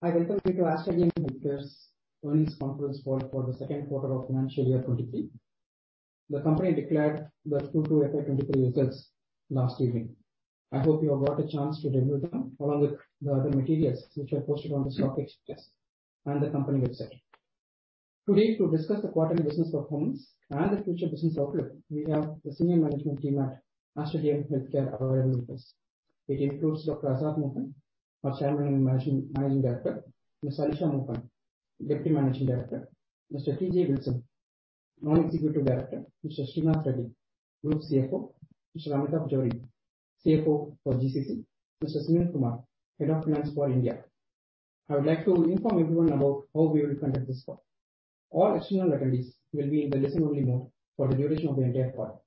I welcome you to Aster DM Healthcare's earnings conference call for the second quarter of financial year 2023. The company declared the Q2 FY 2023 results last evening. I hope you have got a chance to review them along with the other materials which are posted on the stock exchanges and the company website. Today, to discuss the quarterly business performance and the future business outlook, we have the senior management team at Aster DM Healthcare available with us. It includes Dr. Azad Moopen, our Chairman and Managing Director. Ms. Alisha Moopen, Deputy Managing Director. Mr. T.J. Wilson, Non-Executive Director. Mr. Sreenath Reddy, Group CFO. Mr. Amitabh Johri, CFO for GCC. Mr. Sunil Kumar, Head of Finance for India. I would like to inform everyone about how we will conduct this call. All external attendees will be in the listen-only mode for the duration of the entire call.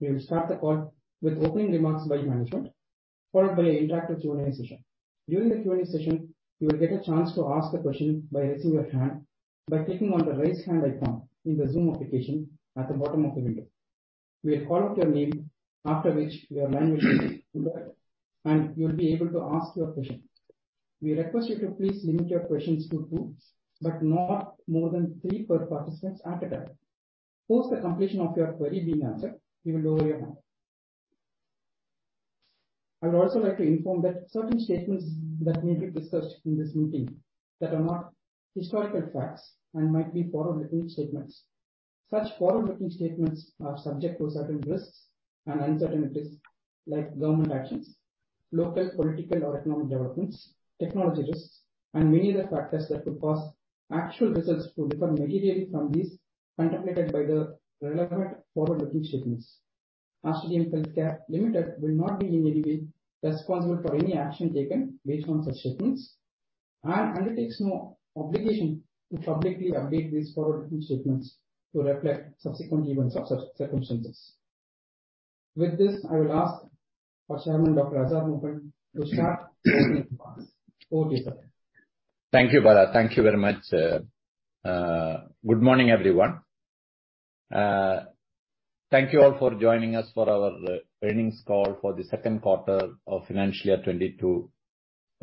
We will start the call with opening remarks by management, followed by an interactive Q&A session. During the Q&A session, you will get a chance to ask a question by raising your hand by clicking on the Raise Hand icon in the Zoom application at the bottom of the window. We'll call out your name, after which your line will be unmuted and you'll be able to ask your question. We request you to please limit your questions to two, but not more than three per participants at a time. Post the completion of your query being answered, you will lower your hand. I would also like to inform that certain statements that may be discussed in this meeting that are not historical facts and might be forward-looking statements. Such forward-looking statements are subject to certain risks and uncertainties like government actions, local political or economic developments, technology risks, and many other factors that could cause actual results to differ materially from these contemplated by the relevant forward-looking statements. Aster DM Healthcare Limited will not be in any way responsible for any action taken based on such statements and undertakes no obligation to publicly update these forward-looking statements to reflect subsequent events of such circumstances. With this, I will ask our Chairman, Dr. Azad Moopen, to start opening remarks. Over to you, sir. Thank you, Bala. Thank you very much. Good morning, everyone. Thank you all for joining us for our earnings call for the second quarter of financial year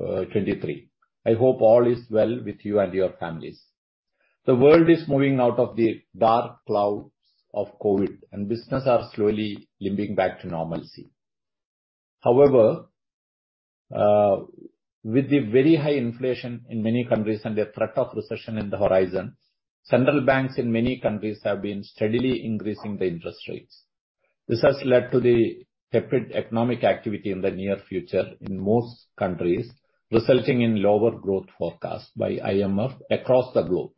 2022-2023. I hope all is well with you and your families. The world is moving out of the dark clouds of COVID and business are slowly limping back to normalcy. However, with the very high inflation in many countries and the threat of recession in the horizon, central banks in many countries have been steadily increasing the interest rates. This has led to the tepid economic activity in the near future in most countries, resulting in lower growth forecasts by IMF across the globe.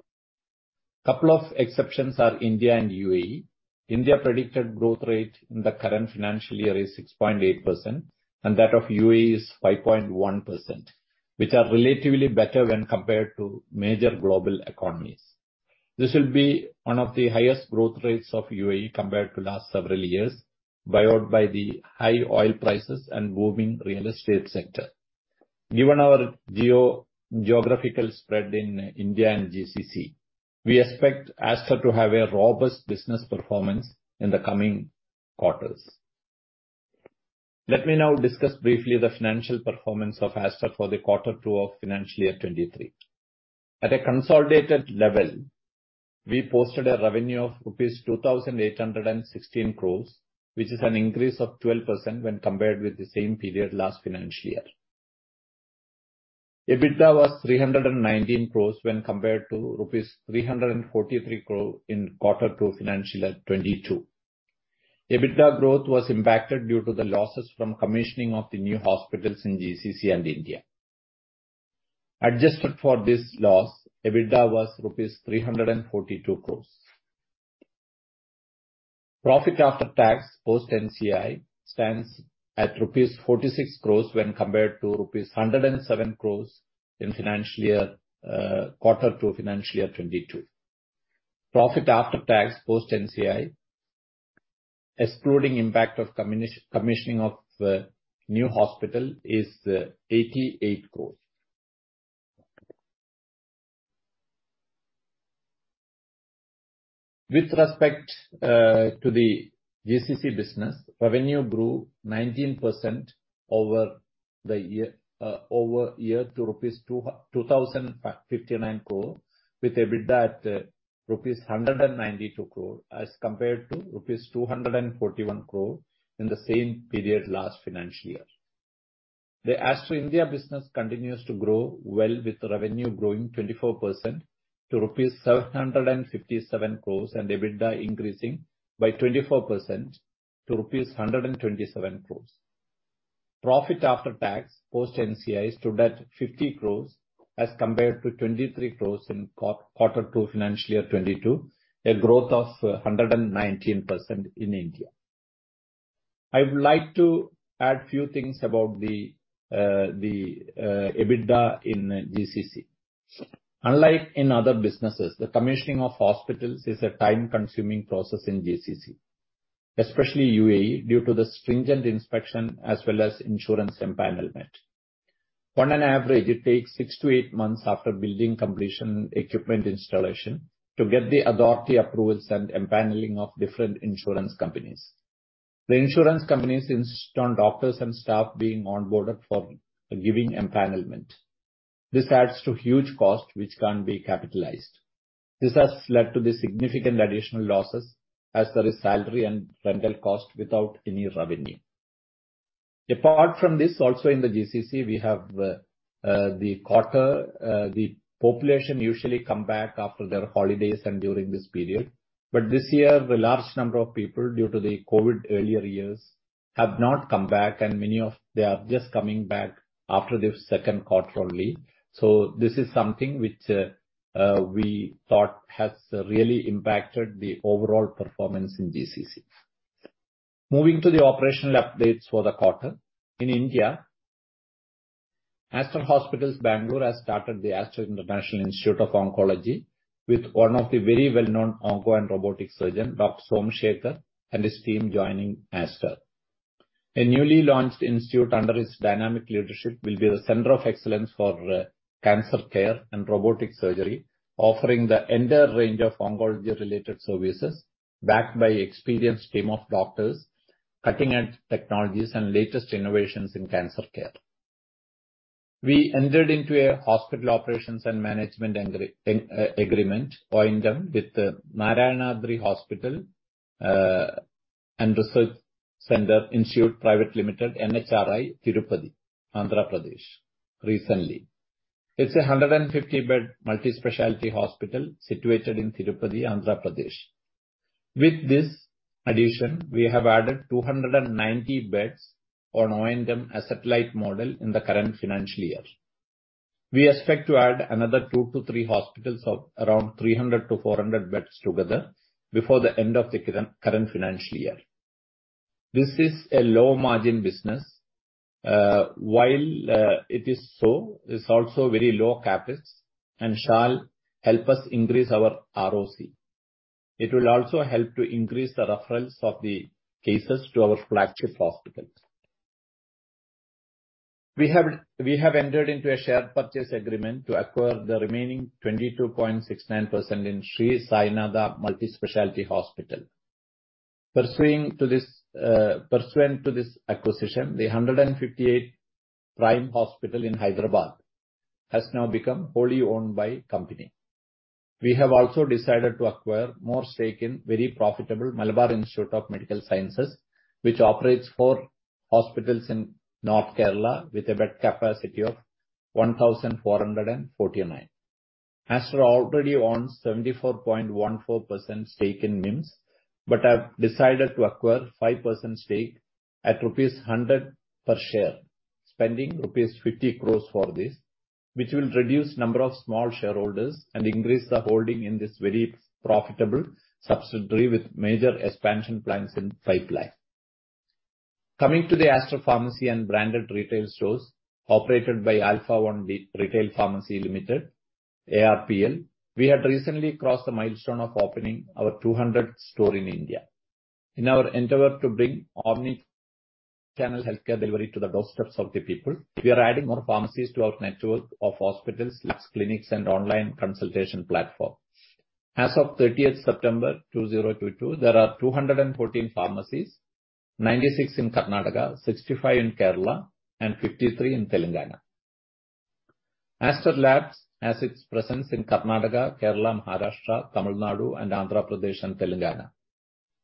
Couple of exceptions are India and U.A.E. India predicted growth rate in the current financial year is 6.8% and that of U.A.E. Is 5.1%, which are relatively better when compared to major global economies. This will be one of the highest growth rates of U.A.E. compared to last several years, buoyed by the high oil prices and booming real estate sector. Given our geographical spread in India and GCC, we expect Aster to have a robust business performance in the coming quarters. Let me now discuss briefly the financial performance of Aster for the quarter two of financial year 2023. At a consolidated level, we posted a revenue of rupees 2,816 crore, which is an increase of 12% when compared with the same period last financial year. EBITDA was 319 crore when compared to rupees 343 crore in quarter two financial year 2022. EBITDA growth was impacted due to the losses from commissioning of the new hospitals in GCC and India. Adjusted for this loss, EBITDA was INR 342 crore. Profit after tax post NCI stands at rupees 46 crore when compared to rupees 107 crore in financial year quarter two financial year 2022. Profit after tax post NCI, excluding impact of commissioning of new hospital, is INR 88 crore. With respect to the GCC business, revenue grew 19% year-over-year to 2,059 crore with EBITDA at rupees 192 crore as compared to rupees 241 crore in the same period last financial year. The Aster India business continues to grow well, with revenue growing 24% to rupees 757 crore and EBITDA increasing by 24% to rupees 127 crore. Profit after tax post NCI stood at 50 crore as compared to 23 crore in quarter two financial year 2022, a growth of 119% in India. I would like to add few things about the EBITDA in GCC. Unlike in other businesses, the commissioning of hospitals is a time-consuming process in GCC, especially U.A.E., due to the stringent inspection as well as insurance empanelment. On an average, it takes six to eight months after building completion and equipment installation to get the authority approvals and empaneling of different insurance companies. The insurance companies insist on doctors and staff being onboarded for giving empanelment. This adds to huge cost which can't be capitalized. This has led to the significant additional losses as there is salary and rental cost without any revenue. Apart from this, also in the GCC, we have, the quarter, the population usually come back after their holidays and during this period. This year, the large number of people due to the COVID earlier years have not come back, and many of them are just coming back after the second quarter only. This is something which we thought has really impacted the overall performance in GCC. Moving to the operational updates for the quarter. In India, Aster Hospitals Bangalore has started the Aster International Institute of Oncology with one of the very well-known onco and robotic surgeon, Dr. Somashekhar, and his team joining Aster. A newly launched institute under his dynamic leadership will be the center of excellence for cancer care and robotic surgery, offering the entire range of oncology related services backed by experienced team of doctors, cutting-edge technologies and latest innovations in cancer care. We entered into a hospital operations and management agreement, O&M, with the Narayanadri Hospitals and Research Institute Private Limited, NHRI, Tirupati, Andhra Pradesh, recently. It's a 150-bed multi-specialty hospital situated in Tirupati, Andhra Pradesh. With this addition, we have added 290 beds on O&M as satellite model in the current financial year. We expect to add another two to three hospitals of around 300 beds-400 beds together before the end of the current financial year. This is a low margin business. While it is so, it's also very low CapEx and shall help us increase our ROCE. It will also help to increase the referrals of the cases to our flagship hospitals. We have entered into a share purchase agreement to acquire the remaining 22.69% in Sri Sainatha multi-speciality hospital. Pursuant to this acquisition, the 158-bed hospital in Hyderabad has now become wholly owned by the company. We have also decided to acquire more stake in very profitable Malabar Institute of Medical Sciences, which operates four hospitals in North Kerala with a bed capacity of 1,449. Aster already owns 74.14% stake in MIMS but have decided to acquire 5% stake at rupees 100 per share, spending rupees 50 crore for this, which will reduce number of small shareholders and increase the holding in this very profitable subsidiary with major expansion plans in pipeline. Coming to the Aster Pharmacy and branded retail stores operated by Alfaone Retail Pharmacies Private Limited, ARPPL, we had recently crossed the milestone of opening our 200th store in India. In our endeavor to bring omnichannel healthcare delivery to the doorsteps of the people, we are adding more pharmacies to our network of hospitals, clinics and online consultation platform. As of 30th September 2022, there are 214 pharmacies, 96 in Karnataka, 65 in Kerala and 53 in Telangana. Aster Labs has its presence in Karnataka, Kerala, Maharashtra, Tamil Nadu and Andhra Pradesh and Telangana.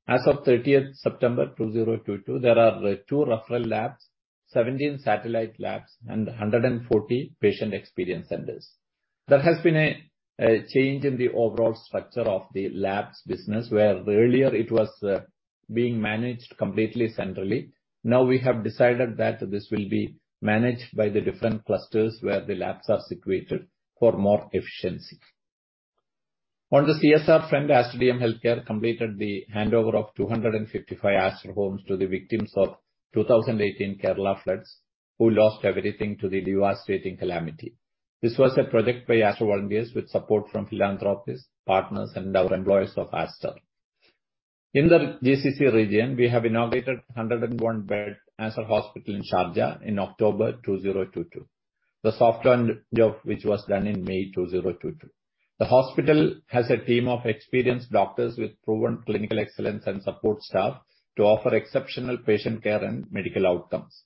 As of 30th September 2022, there are two referral labs, 17 satellite labs and 140 patient experience centers. There has been a change in the overall structure of the labs business, where earlier it was being managed completely centrally. Now we have decided that this will be managed by the different clusters where the labs are situated for more efficiency. On the CSR front, Aster DM Healthcare completed the handover of 255 Aster homes to the victims of 2018 Kerala floods who lost everything to the devastating calamity. This was a project by Aster volunteers with support from philanthropists, partners and our employees of Aster. In the GCC region, we have inaugurated 101-bed Aster Hospital, Sharjah in October 2022. The soft launch of which was done in May 2022. The hospital has a team of experienced doctors with proven clinical excellence and support staff to offer exceptional patient care and medical outcomes.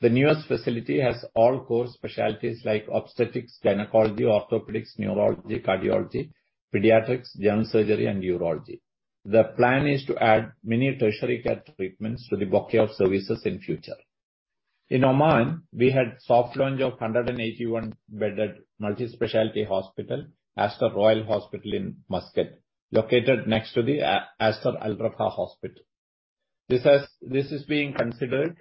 The newest facility has all core specialties like obstetrics, gynecology, orthopedics, neurology, cardiology, pediatrics, general surgery and urology. The plan is to add many tertiary care treatments to the bouquet of services in future. In Oman, we had soft launch of 181-bedded multi-specialty hospital, Aster Royal Hospital in Muscat, located next to the Aster Al Raffah Hospital. This is being considered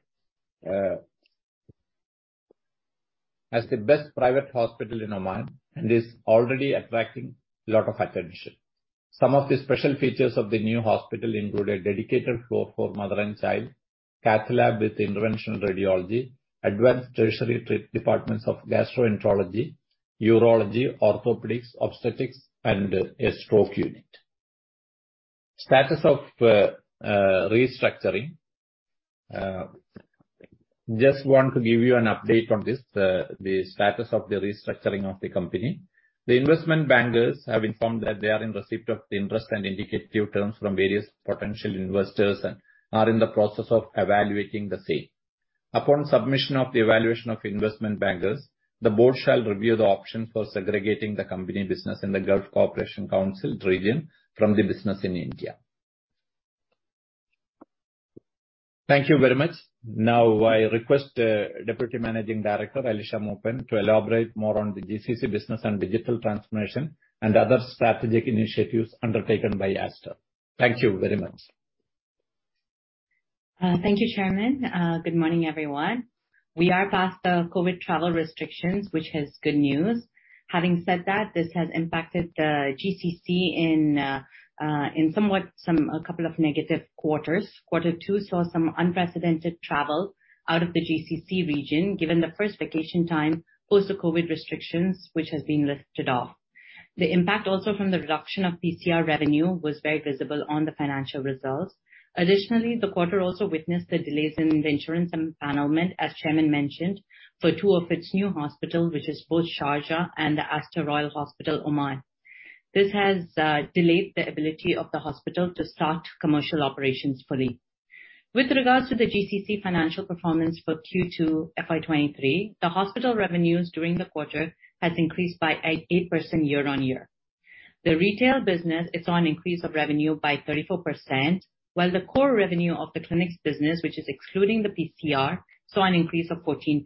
as the best private hospital in Oman and is already attracting a lot of attention. Some of the special features of the new hospital include a dedicated floor for mother and child, cath-lab with interventional radiology, advanced tertiary treatment departments of gastroenterology, urology, orthopedics, obstetrics and a stroke unit. Status of restructuring. Just want to give you an update on this, the status of the restructuring of the company. The investment bankers have informed that they are in receipt of the interest and indicative terms from various potential investors and are in the process of evaluating the same. Upon submission of the evaluation of investment bankers, the board shall review the option for segregating the company business in the Gulf Cooperation Council region from the business in India. Thank you very much. Now I request, Deputy Managing Director, Alisha Moopen, to elaborate more on the GCC business and digital transformation and other strategic initiatives undertaken by Aster. Thank you very much. Thank you, Chairman. Good morning, everyone. We are past the COVID travel restrictions, which is good news. Having said that, this has impacted the GCC in somewhat a couple of negative quarters. Quarter two saw some unprecedented travel out of the GCC region, given the first vacation time post the COVID restrictions, which has been lifted off. The impact also from the reduction of PCR revenue was very visible on the financial results. Additionally, the quarter also witnessed the delays in the insurance empanelment, as Chairman mentioned, for two of its new hospital, which is both Sharjah and the Aster Royal Hospital, Oman. This has delayed the ability of the hospital to start commercial operations fully. With regards to the GCC financial performance for Q2 FY 2023, the hospital revenues during the quarter has increased by 8% year-on-year. The retail business is on increase of revenue by 34%, while the core revenue of the clinics business, which is excluding the PCR, saw an increase of 14%.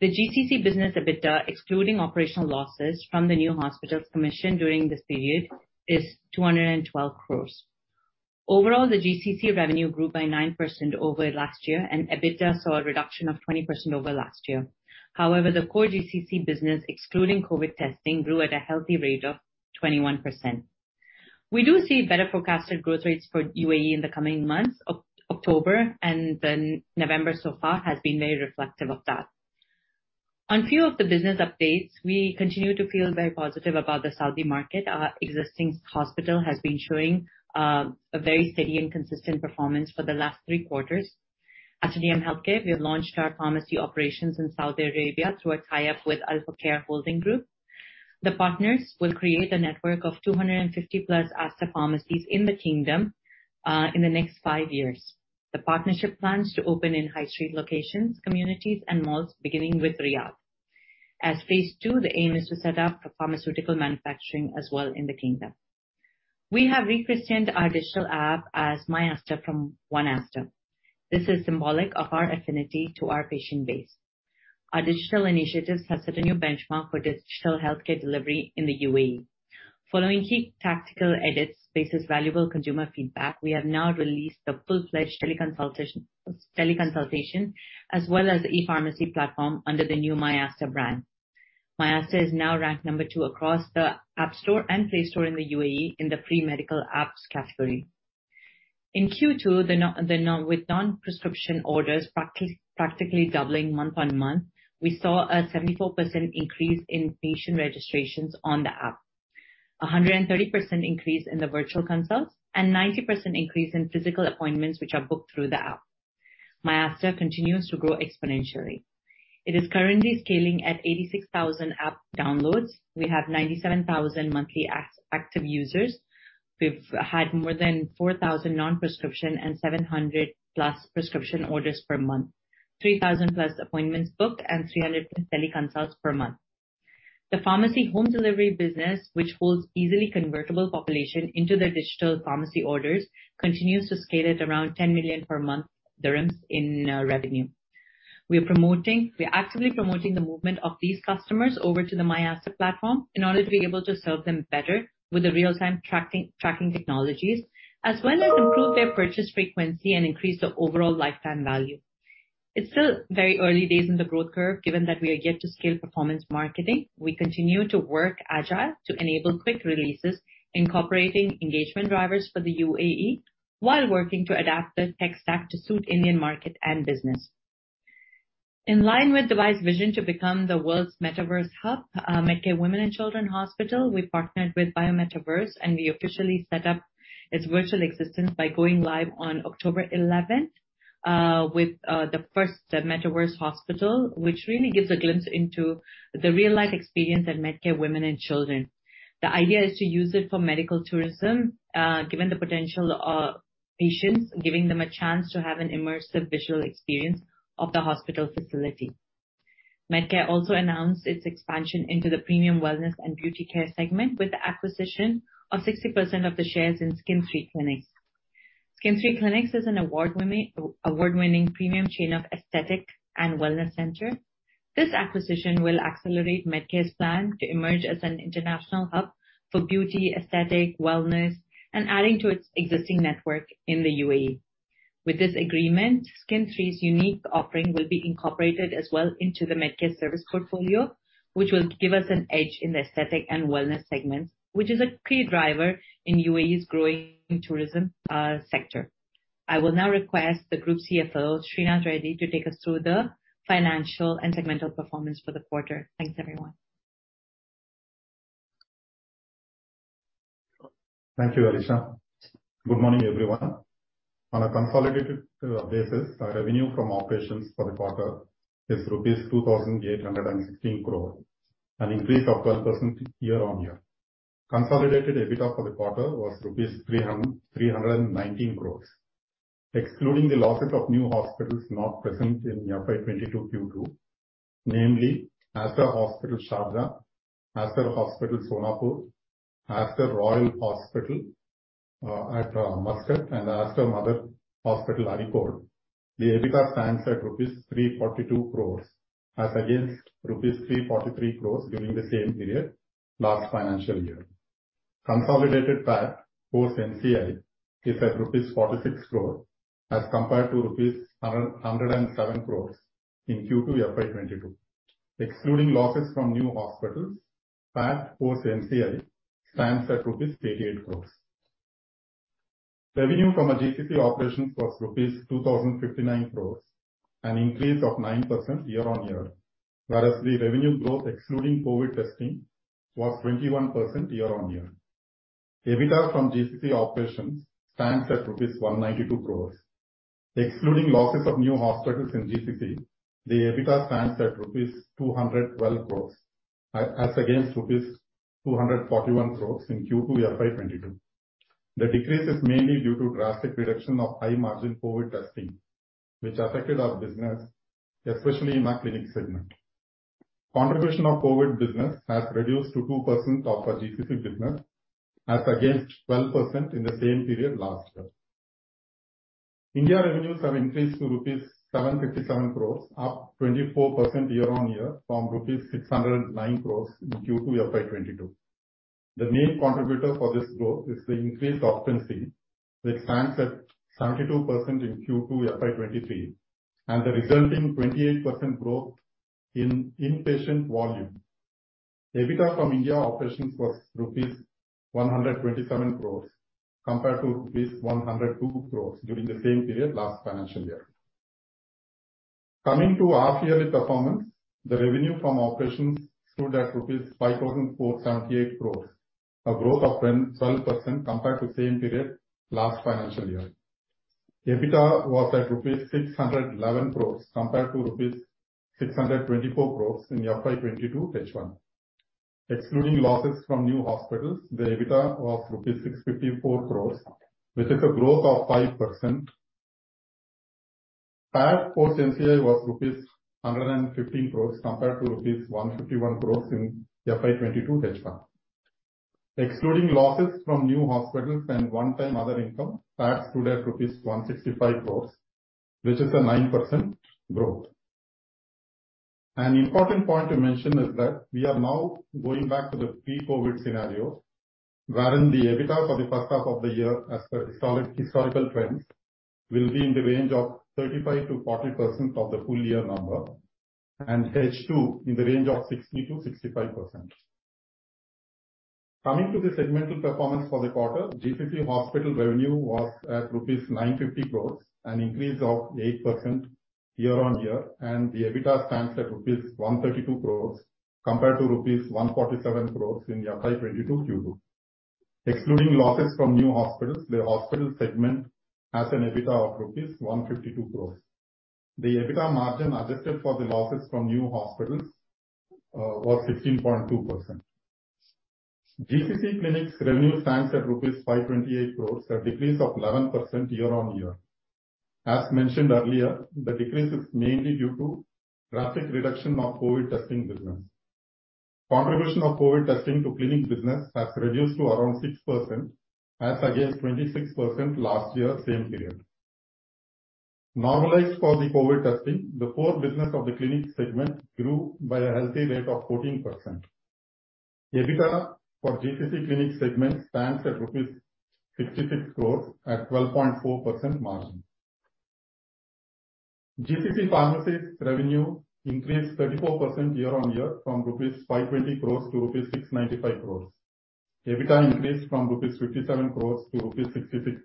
The GCC business EBITDA, excluding operational losses from the new hospitals commissioned during this period, is 212 crore. Overall, the GCC revenue grew by 9% over last year, and EBITDA saw a reduction of 20% over last year. However, the core GCC business, excluding COVID testing, grew at a healthy rate of 21%. We do see better forecasted growth rates for U.A.E. in the coming months. October and then November so far has been very reflective of that. On a few of the business updates, we continue to feel very positive about the Saudi market. Our existing hospital has been showing a very steady and consistent performance for the last three quarters. Aster DM Healthcare, we have launched our pharmacy operations in Saudi Arabia through a tie-up with Al Hokair Holding Group. The partners will create a network of 250+ Aster pharmacies in the Kingdom in the next five years. The partnership plans to open in high street locations, communities, and malls, beginning with Riyadh. As phase two, the aim is to set up a pharmaceutical manufacturing as well in the kingdom. We have re-christened our digital app as myAster from OneAster. This is symbolic of our affinity to our patient base. Our digital initiatives have set a new benchmark for digital healthcare delivery in the U.A.E. Following key tactical edits based on valuable consumer feedback, we have now released the full-fledged teleconsultation as well as e-pharmacy platform under the new myAster brand. myAster is now ranked number two across the App Store and Play Store in the U.A.E. in the free medical apps category. In Q2, with non-prescription orders practically doubling month-on-month, we saw a 74% increase in patient registrations on the app, a 130% increase in the virtual consults, and 90% increase in physical appointments which are booked through the app. myAster continues to grow exponentially. It is currently scaling at 86,000 app downloads. We have 97,000 monthly active users. We've had more than 4,000 non-prescription and 700+ prescription orders per month, 3,000+ appointments booked, and 300 teleconsults per month. The pharmacy home delivery business, which pulls easily convertible population into their digital pharmacy orders, continues to scale at around 10 million per month in revenue. We are actively promoting the movement of these customers over to the myAster platform in order to be able to serve them better with the real-time tracking technologies as well as improve their purchase frequency and increase the overall lifetime value. It's still very early days in the growth curve, given that we are yet to scale performance marketing. We continue to work agile to enable quick releases, incorporating engagement drivers for the U.A.E. while working to adapt the tech stack to suit Indian market and business. In line with Dubai's vision to become the world's metaverse hub, Medcare Women & Children Hospital, we partnered with BIOMETAVERSE, and we officially set up its virtual existence by going live on October 11th with the first metaverse hospital, which really gives a glimpse into the real-life experience at Medcare Women & Children. The idea is to use it for medical tourism, given the potential patients, giving them a chance to have an immersive visual experience of the hospital facility. Medcare also announced its expansion into the premium wellness and beauty care segment with the acquisition of 60% of the shares in Skin111 Clinics. Skin111 Clinics is an award-winning premium chain of aesthetic and wellness centers. This acquisition will accelerate Medcare's plan to emerge as an international hub for beauty, aesthetic, wellness, and adding to its existing network in the U.A.E. With this agreement, Skin111's unique offering will be incorporated as well into the Medcare service portfolio, which will give us an edge in the aesthetic and wellness segment, which is a key driver in U.A.E.'s growing tourism sector. I will now request the Group CFO, Sreenath Reddy, to take us through the financial and segmental performance for the quarter. Thanks, everyone. Thank you, Alisha. Good morning, everyone. On a consolidated basis, our revenue from operations for the quarter is rupees 2,816 crore, an increase of 12% year-over-year. Consolidated EBITDA for the quarter was 319 crore. Excluding the losses of new hospitals not present in FY 2022 Q2, namely Aster Hospital Sharjah, Aster Hospital, Sonapur, Aster Royal Hospital at Muscat, and Aster Mother Hospital, Areekode, the EBITDA stands at rupees 342 crore as against rupees 343 crore during the same period last financial year. Consolidated PAT post NCI is at rupees 46 crore as compared to rupees 107 crore in Q2 FY 2022. Excluding losses from new hospitals, PAT post NCI stands at rupees 88 crore. Revenue from our GCC operations was rupees 2,059 crore, an increase of 9% year-on-year, whereas the revenue growth excluding COVID testing was 21% year-on-year. EBITDA from GCC operations stands at rupees 192 crore. Excluding losses of new hospitals in GCC, the EBITDA stands at rupees 212 crore as against rupees 241 crore in Q2 FY 2022. The decrease is mainly due to drastic reduction of high margin COVID testing, which affected our business, especially in our clinic segment. Contribution of COVID business has reduced to 2% of our GCC business as against 12% in the same period last year. India revenues have increased to rupees 757 crore, up 24% year-on-year from rupees 609 crore in Q2 FY 2022. The main contributor for this growth is the increased occupancy, which stands at 72% in Q2 FY 2023, and the resulting 28% growth in inpatient volume. EBITDA from India operations was rupees 127 crore compared to 102 crore during the same period last financial year. Coming to our yearly performance, the revenue from operations stood at INR 5,478 crore, a growth of 12% compared to same period last financial year. EBITDA was at rupees 611 crore compared to rupees 624 crore in FY 2022 H1. Excluding losses from new hospitals, the EBITDA was rupees 654 crore, which is a growth of 5%. PAT post NCI was rupees 115 crore compared to rupees 151 crore in FY 2022 H1. Excluding losses from new hospitals and one-time other income, PAT stood at rupees 165 crore, which is a 9% growth. An important point to mention is that we are now going back to the pre-COVID scenario wherein the EBITDA for the first half of the year as per historical trends will be in the range of 35%-40% of the full year number, and H2 in the range of 60%-65%. Coming to the segmental performance for the quarter, GCC hospital revenue was at rupees 950 crore, an increase of 8% year-on-year, and the EBITDA stands at rupees 132 crore compared to rupees 147 crore in FY22 Q2. Excluding losses from new hospitals, the hospital segment has an EBITDA of rupees 152 crore. The EBITDA margin adjusted for the losses from new hospitals was 16.2%. GCC Clinics revenue stands at 528 crore rupees, a decrease of 11% year-on-year. As mentioned earlier, the decrease is mainly due to drastic reduction of COVID testing business. Contribution of COVID testing to clinics business has reduced to around 6%, as against 26% last year same period. Normalized for the COVID testing, the core business of the clinic segment grew by a healthy rate of 14%. EBITDA for GPC Clinic segment stands at rupees 66 crore at 12.4% margin. GCC Pharmacies revenue increased 34% year-on-year from 520-695 crore rupees. EBITDA increased from 57-66 crore rupees,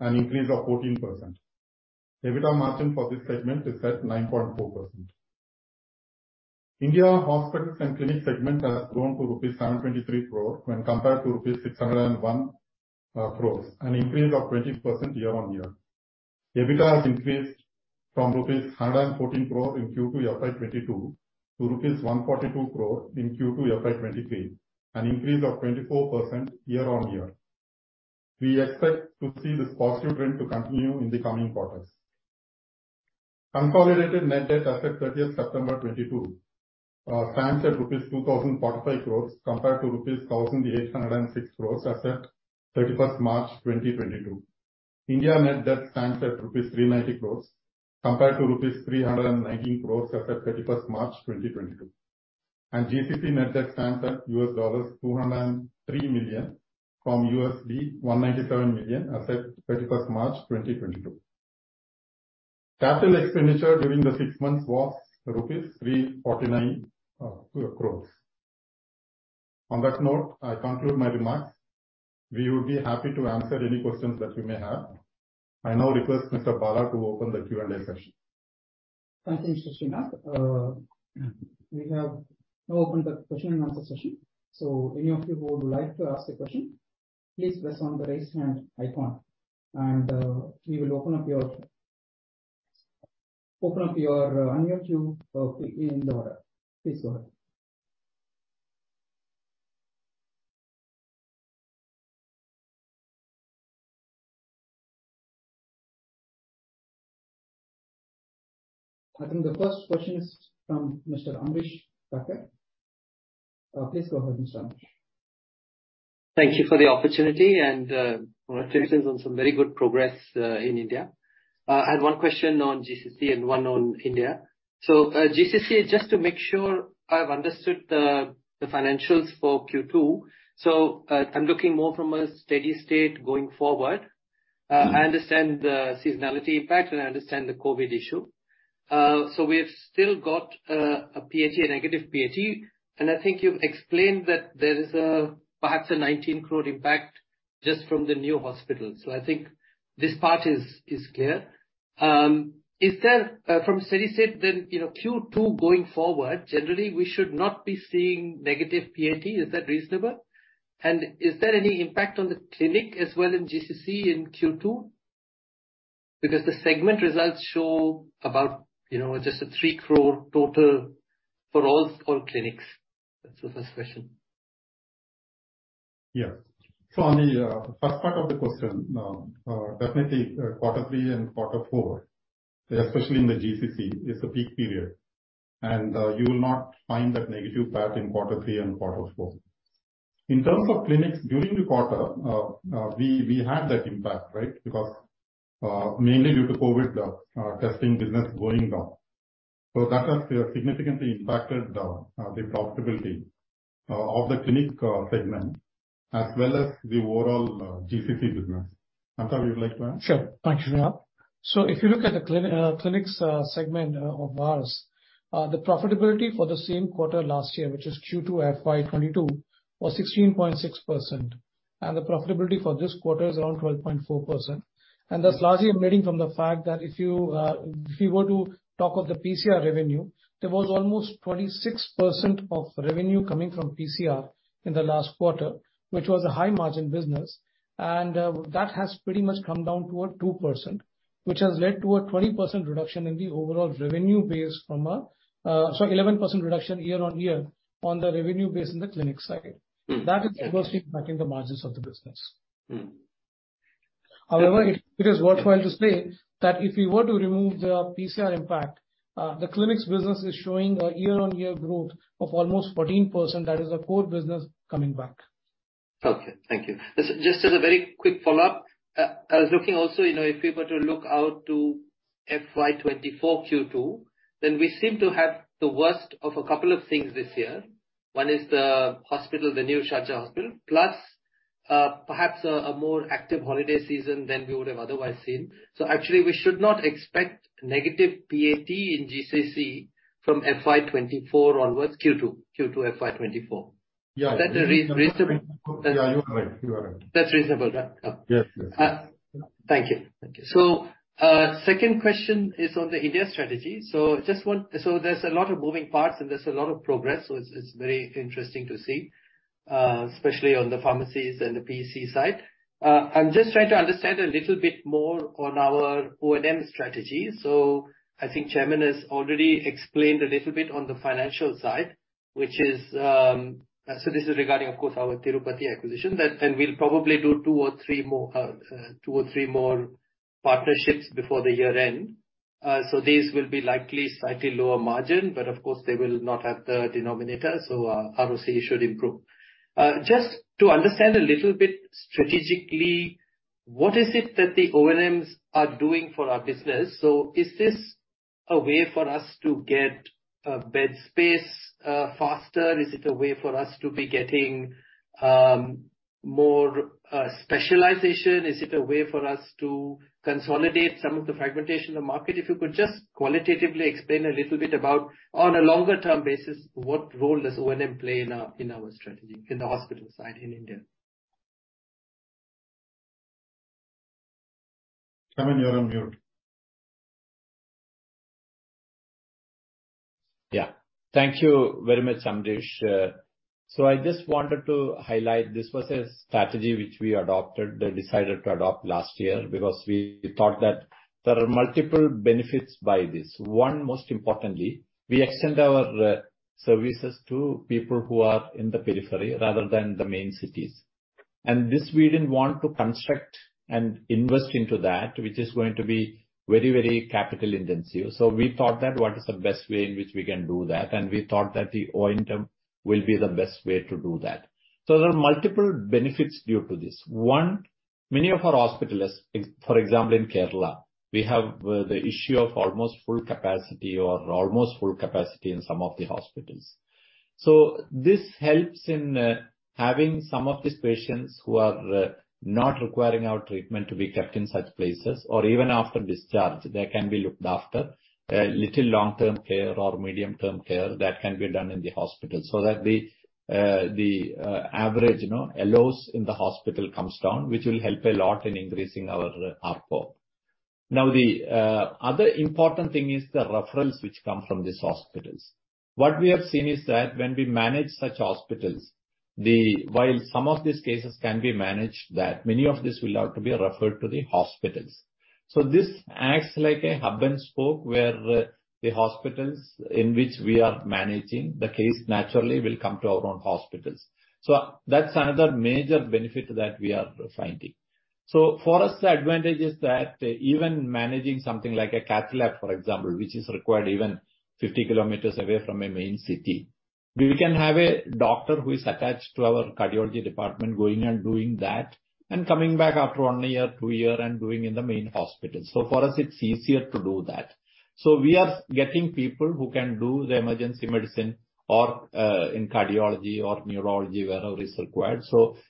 an increase of 14%. EBITDA margin for this segment is at 9.4%. India Hospitals and Clinic segment has grown to rupees 723 crore when compared to rupees 601 crore, an increase of 20% year-on-year. EBITDA has increased from rupees 114 crore in Q2 FY 2022 to rupees 142 crore in Q2 FY 2023, an increase of 24% year-on-year. We expect to see this positive trend to continue in the coming quarters. Consolidated net debt as at 30th September 2022 stands at rupees 2,045 crore compared to rupees 1,806 crore as at 31st March 2022. India net debt stands at rupees 390 crore compared to rupees 319 crore as at 31st March 2022. GCC net debt stands at $203 million from $197 million as at 31 March 2022. Capital expenditure during the six months was rupees 349 crore. On that note, I conclude my remarks. We would be happy to answer any questions that you may have. I now request Mr. Bala to open the Q&A session. Thanks, Sreenath. We have now opened the question and answer session. Any of you who would like to ask a question, please press the raise hand icon, and we will open up your line queue in the order. Please go ahead. I think the first question is from Mr. Amrish Kacker. Please go ahead, Mr. Amrish. Thank you for the opportunity and, congratulations on some very good progress, in India. I had one question on GCC and one on India. GCC, just to make sure I've understood the financials for Q2. I'm looking more from a steady state going forward. I understand the seasonality impact, and I understand the COVID issue. We've still got a PAT, a negative PAT. I think you've explained that there is perhaps an 19 crore impact just from the new hospital. I think this part is clear. Is there from steady state then, you know, Q2 going forward, generally we should not be seeing negative PAT? Is that reasonable? And is there any impact on the Clinic as well in GCC in Q2? Because the segment results show about, you know, just a 3 crore total for all clinics. That's the first question. Yes. On the first part of the question, definitely, quarter three and quarter four, especially in the GCC, is the peak period. You will not find that negative PAT in quarter three and quarter four. In terms of clinics, during the quarter, we had that impact, right? Because mainly due to COVID, the testing business going down. That has significantly impacted the profitability of the clinic segment as well as the overall GCC business. Amitabh, would you like to add? Thank you, Sreenath. If you look at the clinics segment of ours, the profitability for the same quarter last year, which is Q2 FY 2022, was 16.6%. The profitability for this quarter is around 12.4%. That's largely arising from the fact that if you were to talk of the PCR revenue, there was almost 26% of revenue coming from PCR in the last quarter, which was a high margin business. That has pretty much come down to 2%, which has led to a 20% reduction in the overall revenue base from 11% reduction year-on-year on the revenue base in the clinic side. Mm-hmm. That is adversely impacting the margins of the business. Mm-hmm. However, it is worthwhile to say that if you were to remove the PCR impact, the clinics business is showing a year-on-year growth of almost 14%. That is the core business coming back. Okay. Thank you. Just as a very quick follow-up. I was looking also, you know, if we were to look out to FY 2024 Q2, then we seem to have the worst of a couple of things this year. One is the hospital, the new Sharjah Hospital, plus, perhaps a more active holiday season than we would have otherwise seen. Actually, we should not expect negative PAT in GCC from FY 2024 onwards Q2 FY 2024. Yeah. Is that a reasonable? Yeah, you are right. That's reasonable, right? Yes, yes. Thank you. Second question is on the India strategy. There's a lot of moving parts, and there's a lot of progress, so it's very interesting to see, especially on the pharmacies and the PEC side. I'm just trying to understand a little bit more on our O&M strategy. I think Chairman has already explained a little bit on the financial side, which is. This is regarding of course, our Tirupati acquisition. That, and we'll probably do two or three more partnerships before the year end. These will be likely slightly lower margin, but of course, they will not have the denominator, so ROCE should improve. Just to understand a little bit strategically, what is it that the O&Ms are doing for our business? Is this a way for us to get bed space faster? Is it a way for us to be getting more specialization? Is it a way for us to consolidate some of the fragmentation in the market? If you could just qualitatively explain a little bit about on a longer term basis, what role does O&M play in our strategy, in the hospital side in India. Chairman, you're on mute. Yeah. Thank you very much, Amrish. I just wanted to highlight this was a strategy which we adopted, decided to adopt last year because we thought that there are multiple benefits by this. One, most importantly, we extend our services to people who are in the periphery rather than the main cities. This we didn't want to construct and invest into that, which is going to be very, very capital intensive. We thought that what is the best way in which we can do that, and we thought that the O&M will be the best way to do that. There are multiple benefits due to this. One, many of our hospitals, for example, in Kerala, we have the issue of almost full capacity in some of the hospitals. This helps in having some of these patients who are not requiring our treatment to be kept in such places or even after discharge, they can be looked after. A little long-term care or medium-term care that can be done in the hospital so that the average, you know, ALOS in the hospital comes down, which will help a lot in increasing our ARPOB. Now the other important thing is the referrals which come from these hospitals. What we have seen is that when we manage such hospitals, while some of these cases can be managed, many of these will have to be referred to the hospitals. This acts like a hub-and-spoke, where the hospitals in which we are managing the case naturally will come to our own hospitals. That's another major benefit that we are finding. For us, the advantage is that even managing something like a cath-lab, for example, which is required even 50 km away from a main city, we can have a doctor who is attached to our cardiology department going and doing that and coming back after one year, two year and doing in the main hospital. For us, it's easier to do that. We are getting people who can do the emergency medicine or in cardiology or neurology, wherever is required.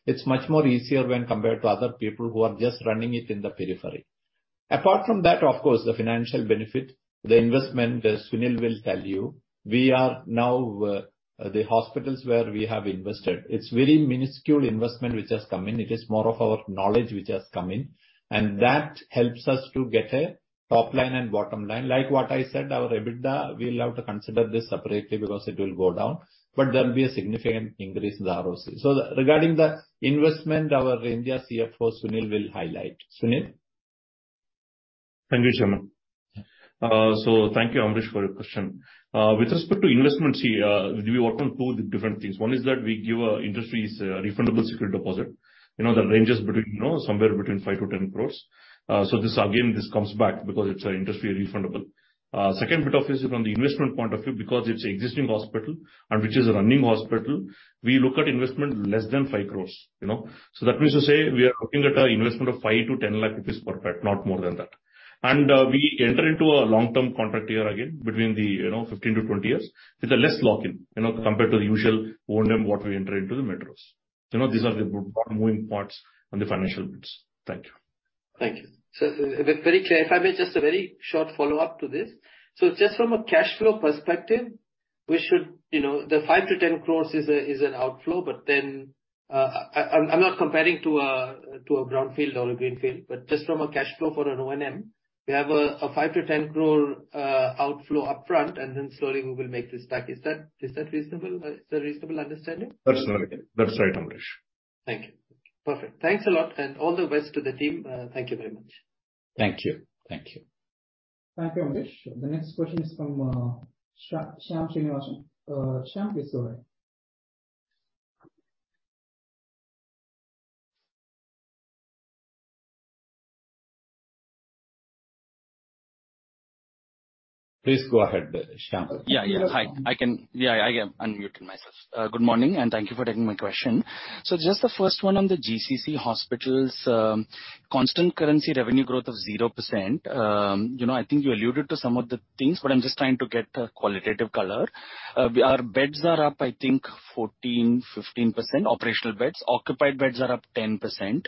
It's much more easier when compared to other people who are just running it in the periphery. Apart from that, of course, the financial benefit, the investment, as Sunil will tell you, we are now, the hospitals where we have invested, it's very minuscule investment which has come in. It is more of our knowledge which has come in, and that helps us to get a top line and bottom line. Like what I said, our EBITDA, we'll have to consider this separately because it will go down, but there'll be a significant increase in the ROCE. Regarding the investment, our India CFO, Sunil, will highlight. Sunil. Thank you, Chairman. Thank you, Amrish, for your question. With respect to investments, we work on two different things. One is that we give our hospitals a refundable security deposit. You know, that ranges between, you know, somewhere between 5-10 crore. This, again, this comes back because it's a hospital refundable. Second is from the investment point of view, because it's existing hospital and which is a running hospital, we look at investments less than 5 crore, you know. That means to say we are looking at an investment of 5-10 lakh rupees per bed, not more than that. We enter into a long-term contract here again between, you know, 15-20 years. It's less lock-in, you know, compared to the usual O&M what we enter into the metros. You know, these are the moving parts on the financial bits. Thank you. Thank you. Very clear. If I may, just a very short follow-up to this. Just from a cash flow perspective, we should, you know, the 5-10 crore is an outflow. Then, I'm not comparing to a brownfield or a greenfield, but just from a cash flow for an O&M, we have a 5-10 crore outflow up front, and then slowly we will make this back. Is that reasonable? Is that a reasonable understanding? That's right, Amrish. Thank you. Perfect. Thanks a lot and all the best to the team. Thank you very much. Thank you. Thank you. Thank you, Ambrish. The next question is from Shyam Srinivasan. Shyam, please go ahead. Please go ahead, Shyam. Good morning, and thank you for taking my question. Just the first one on the GCC hospitals, constant currency revenue growth of 0%. You know, I think you alluded to some of the things, but I'm just trying to get the qualitative color. Our beds are up, I think 14%, 15%, operational beds. Occupied beds are up 10%.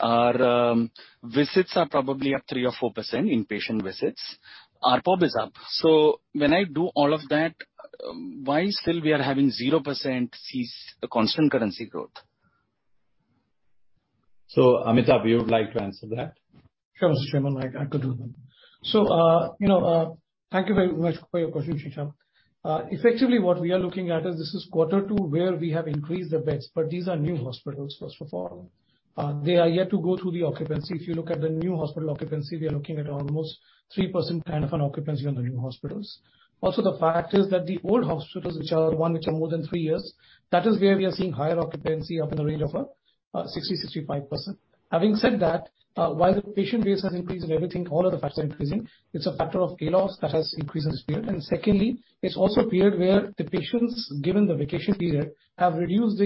Our visits are probably up 3% or 4%, in-patient visits. ARPOB is up. When I do all of that, why still we are having 0% constant currency growth? Amitabh, you would like to answer that? Sure, Chairman. I could do that. You know, thank you very much for your question, Shyam. Effectively, what we are looking at is this is quarter two, where we have increased the beds, but these are new hospitals, first of all. They are yet to go through the occupancy. If you look at the new hospital occupancy, we are looking at almost 3% kind of an occupancy on the new hospitals. Also, the fact is that the old hospitals, which are more than three years, that is where we are seeing higher occupancy up in the range of 60%-65%. Having said that, while the patient base has increased and everything, all of the factors are increasing, it's a factor of payables that has increased in this period. Secondly, it's also a period where the patients, given the vacation period, have reduced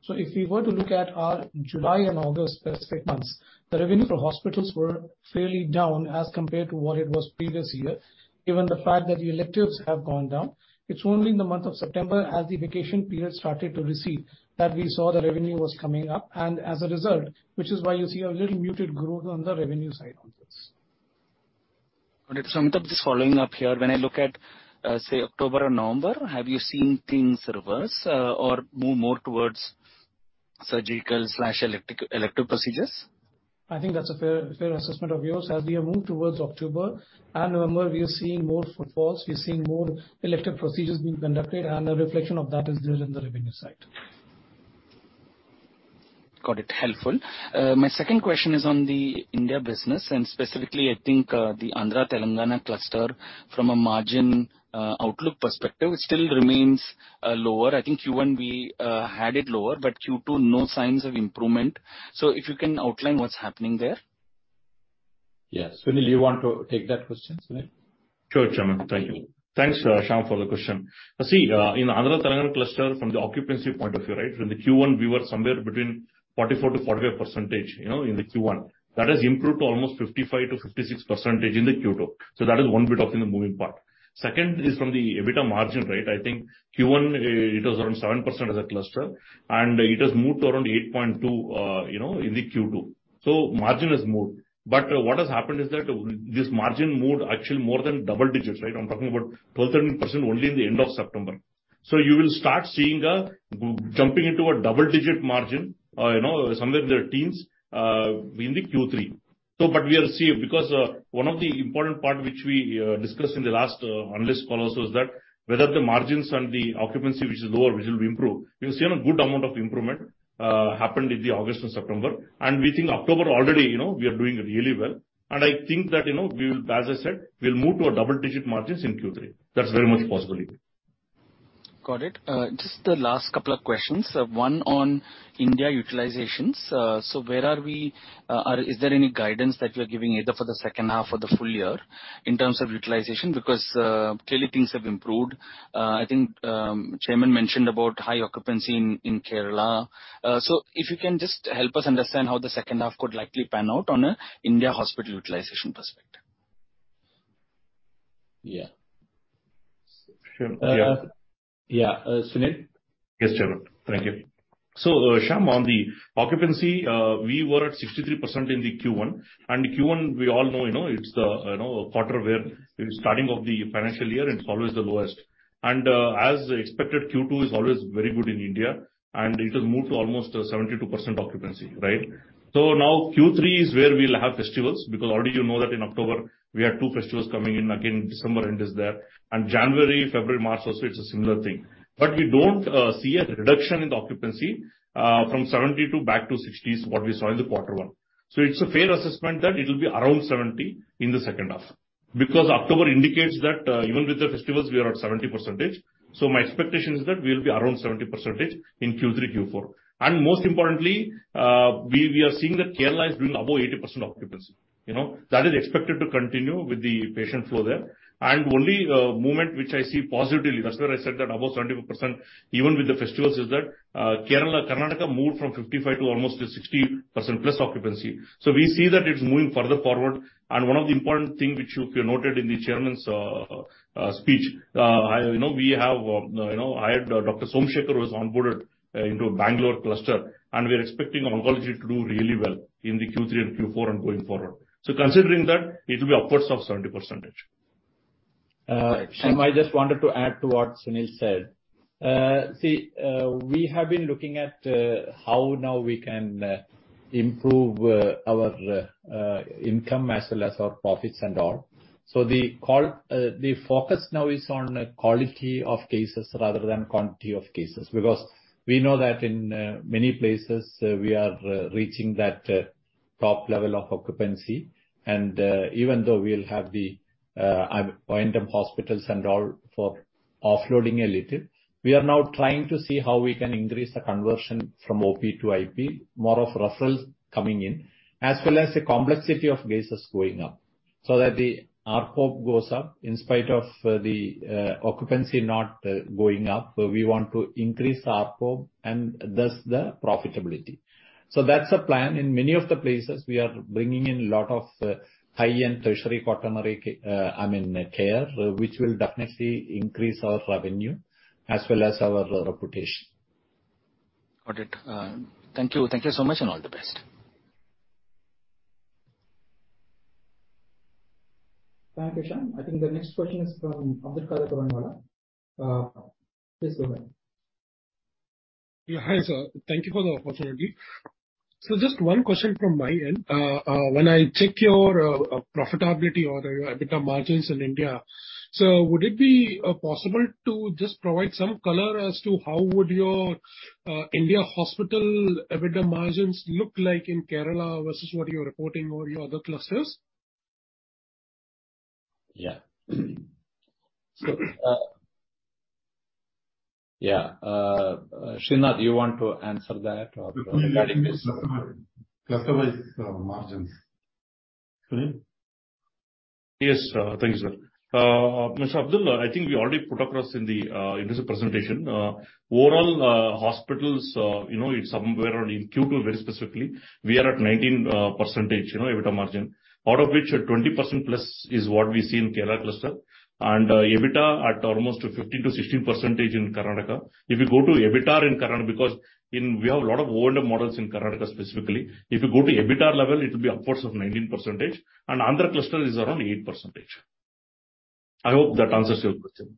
the elective surgeries. If we were to look at our July and August specific months, the revenue for hospitals were fairly down as compared to what it was previous year, given the fact that the electives have gone down. It's only in the month of September, as the vacation period started to recede, that we saw the revenue was coming up, and as a result, which is why you see a little muted growth on the revenue side on this. Got it. Amitabh, just following up here. When I look at, say, October or November, have you seen things reverse, or move more towards surgical/elective procedures? I think that's a fair assessment of yours. As we have moved towards October and November, we are seeing more footfalls, we're seeing more elective procedures being conducted, and a reflection of that is there in the revenue side. Got it. Helpful. My second question is on the India business and specifically, I think, the Andhra, Telangana cluster from a margin outlook perspective. It still remains lower. I think Q1 we had it lower, but Q2, no signs of improvement. If you can outline what's happening there. Yeah. Sunil, you want to take that question, Sunil? Sure, Chairman. Thank you. Thanks, Shyam, for the question. See, in Andhra, Telangana cluster from the occupancy point of view, right? From the Q1, we were somewhere between 44%-48%, you know, in the Q1. That has improved to almost 55%-56% in the Q2. That is one bit of in the moving part. Second is from the EBITDA margin, right? I think Q1, it was around 7% as a cluster, and it has moved to around 8.2%, you know, in the Q2. Margin has moved. What has happened is that this margin moved actually more than double digits, right? I'm talking about 12%-13% only in the end of September. You will start seeing a jumping into a double-digit margin, you know, somewhere in the teens, in the Q3. Because one of the important part which we discussed in the last Analyst Call was that whether the margins and the occupancy which is lower, which will improve. We've seen a good amount of improvement happened in the August and September. We think October already, you know, we are doing really well. I think that, you know, we will, as I said, we'll move to a double-digit margins in Q3. That's very much possible. Got it. Just the last couple of questions. One on India utilizations. So where are we? Is there any guidance that you're giving either for the second half or the full year in terms of utilization? Because clearly things have improved. I think Chairman mentioned about high occupancy in Kerala. So if you can just help us understand how the second half could likely pan out on a India hospital utilization perspective. Yeah. Sure. Yeah. Uh. Yeah. Sunil? Yes, Chairman. Thank you. Shyam, on the occupancy, we were at 63% in the Q1. Q1, we all know, you know, it's the quarter where the starting of the financial year, it's always the lowest. As expected, Q2 is always very good in India, and it has moved to almost 72% occupancy, right? Now Q3 is where we'll have festivals, because already you know that in October we have two festivals coming in again, December end is there. January, February, March also, it's a similar thing. We don't see a reduction in the occupancy from 70% to back to 60s, what we saw in the quarter one. It's a fair assessment that it'll be around 70% in the second half. Because October indicates that even with the festivals we are at 70%. My expectation is that we'll be around 70% in Q3, Q4. Most importantly, we are seeing that Kerala is doing above 80% occupancy. You know, that is expected to continue with the patient flow there. Only movement which I see positively, that's why I said that above 74% even with the festivals is that, Kerala, Karnataka moved from 55% to almost 60% plus occupancy. We see that it's moving further forward. One of the important thing which you noted in the Chairman's speech, I, you know, we have, you know, I had Dr. Somashekhar who was onboarded into Bangalore cluster, and we are expecting oncology to do really well in Q3 and Q4 and going forward. Considering that, it will be upwards of 70%. Great. Shyam, I just wanted to add to what Sunil said. We have been looking at how now we can improve our income as well as our profits and all. The focus now is on quality of cases rather than quantity of cases. Because we know that in many places we are reaching that top level of occupancy. Even though we'll have the O&M hospitals and all for offloading a little, we are now trying to see how we can increase the conversion from OP to IP, more of referrals coming in. As well as the complexity of cases going up, so that the ARPOB goes up in spite of the occupancy not going up. We want to increase the ARPOB and thus the profitability. That's the plan. In many of the places, we are bringing in lot of high-end tertiary, quaternary care, which will definitely increase our revenue as well as our reputation. Got it. Thank you. Thank you so much, and all the best. Thank you, Shyam. I think the next question is from Abdulkader Puranwala. Please go ahead. Yeah. Hi, sir. Thank you for the opportunity. Just one question from my end. When I check your profitability or your EBITDA margins in India, so would it be possible to just provide some color as to how would your India hospital EBITDA margins look like in Kerala versus what you're reporting over your other clusters? Yeah, Sreenath, do you want to answer that or? Cluster wise, margins. Sunil? Yes. Thank you, sir. Mr. Abdul, I think we already put across in the, in this presentation. Overall, hospitals, you know, it's somewhere around in Q2 very specifically, we are at 19%, you know, EBITDA margin. Out of which 20%+ is what we see in Kerala cluster. EBITDA at almost 15%-16% in Karnataka. If you go to EBITDA in Karnataka because in, we have a lot of O&M models in Karnataka specifically. If you go to EBITDA level, it will be upwards of 19%, and Andhra cluster is around 8%. I hope that answers your question.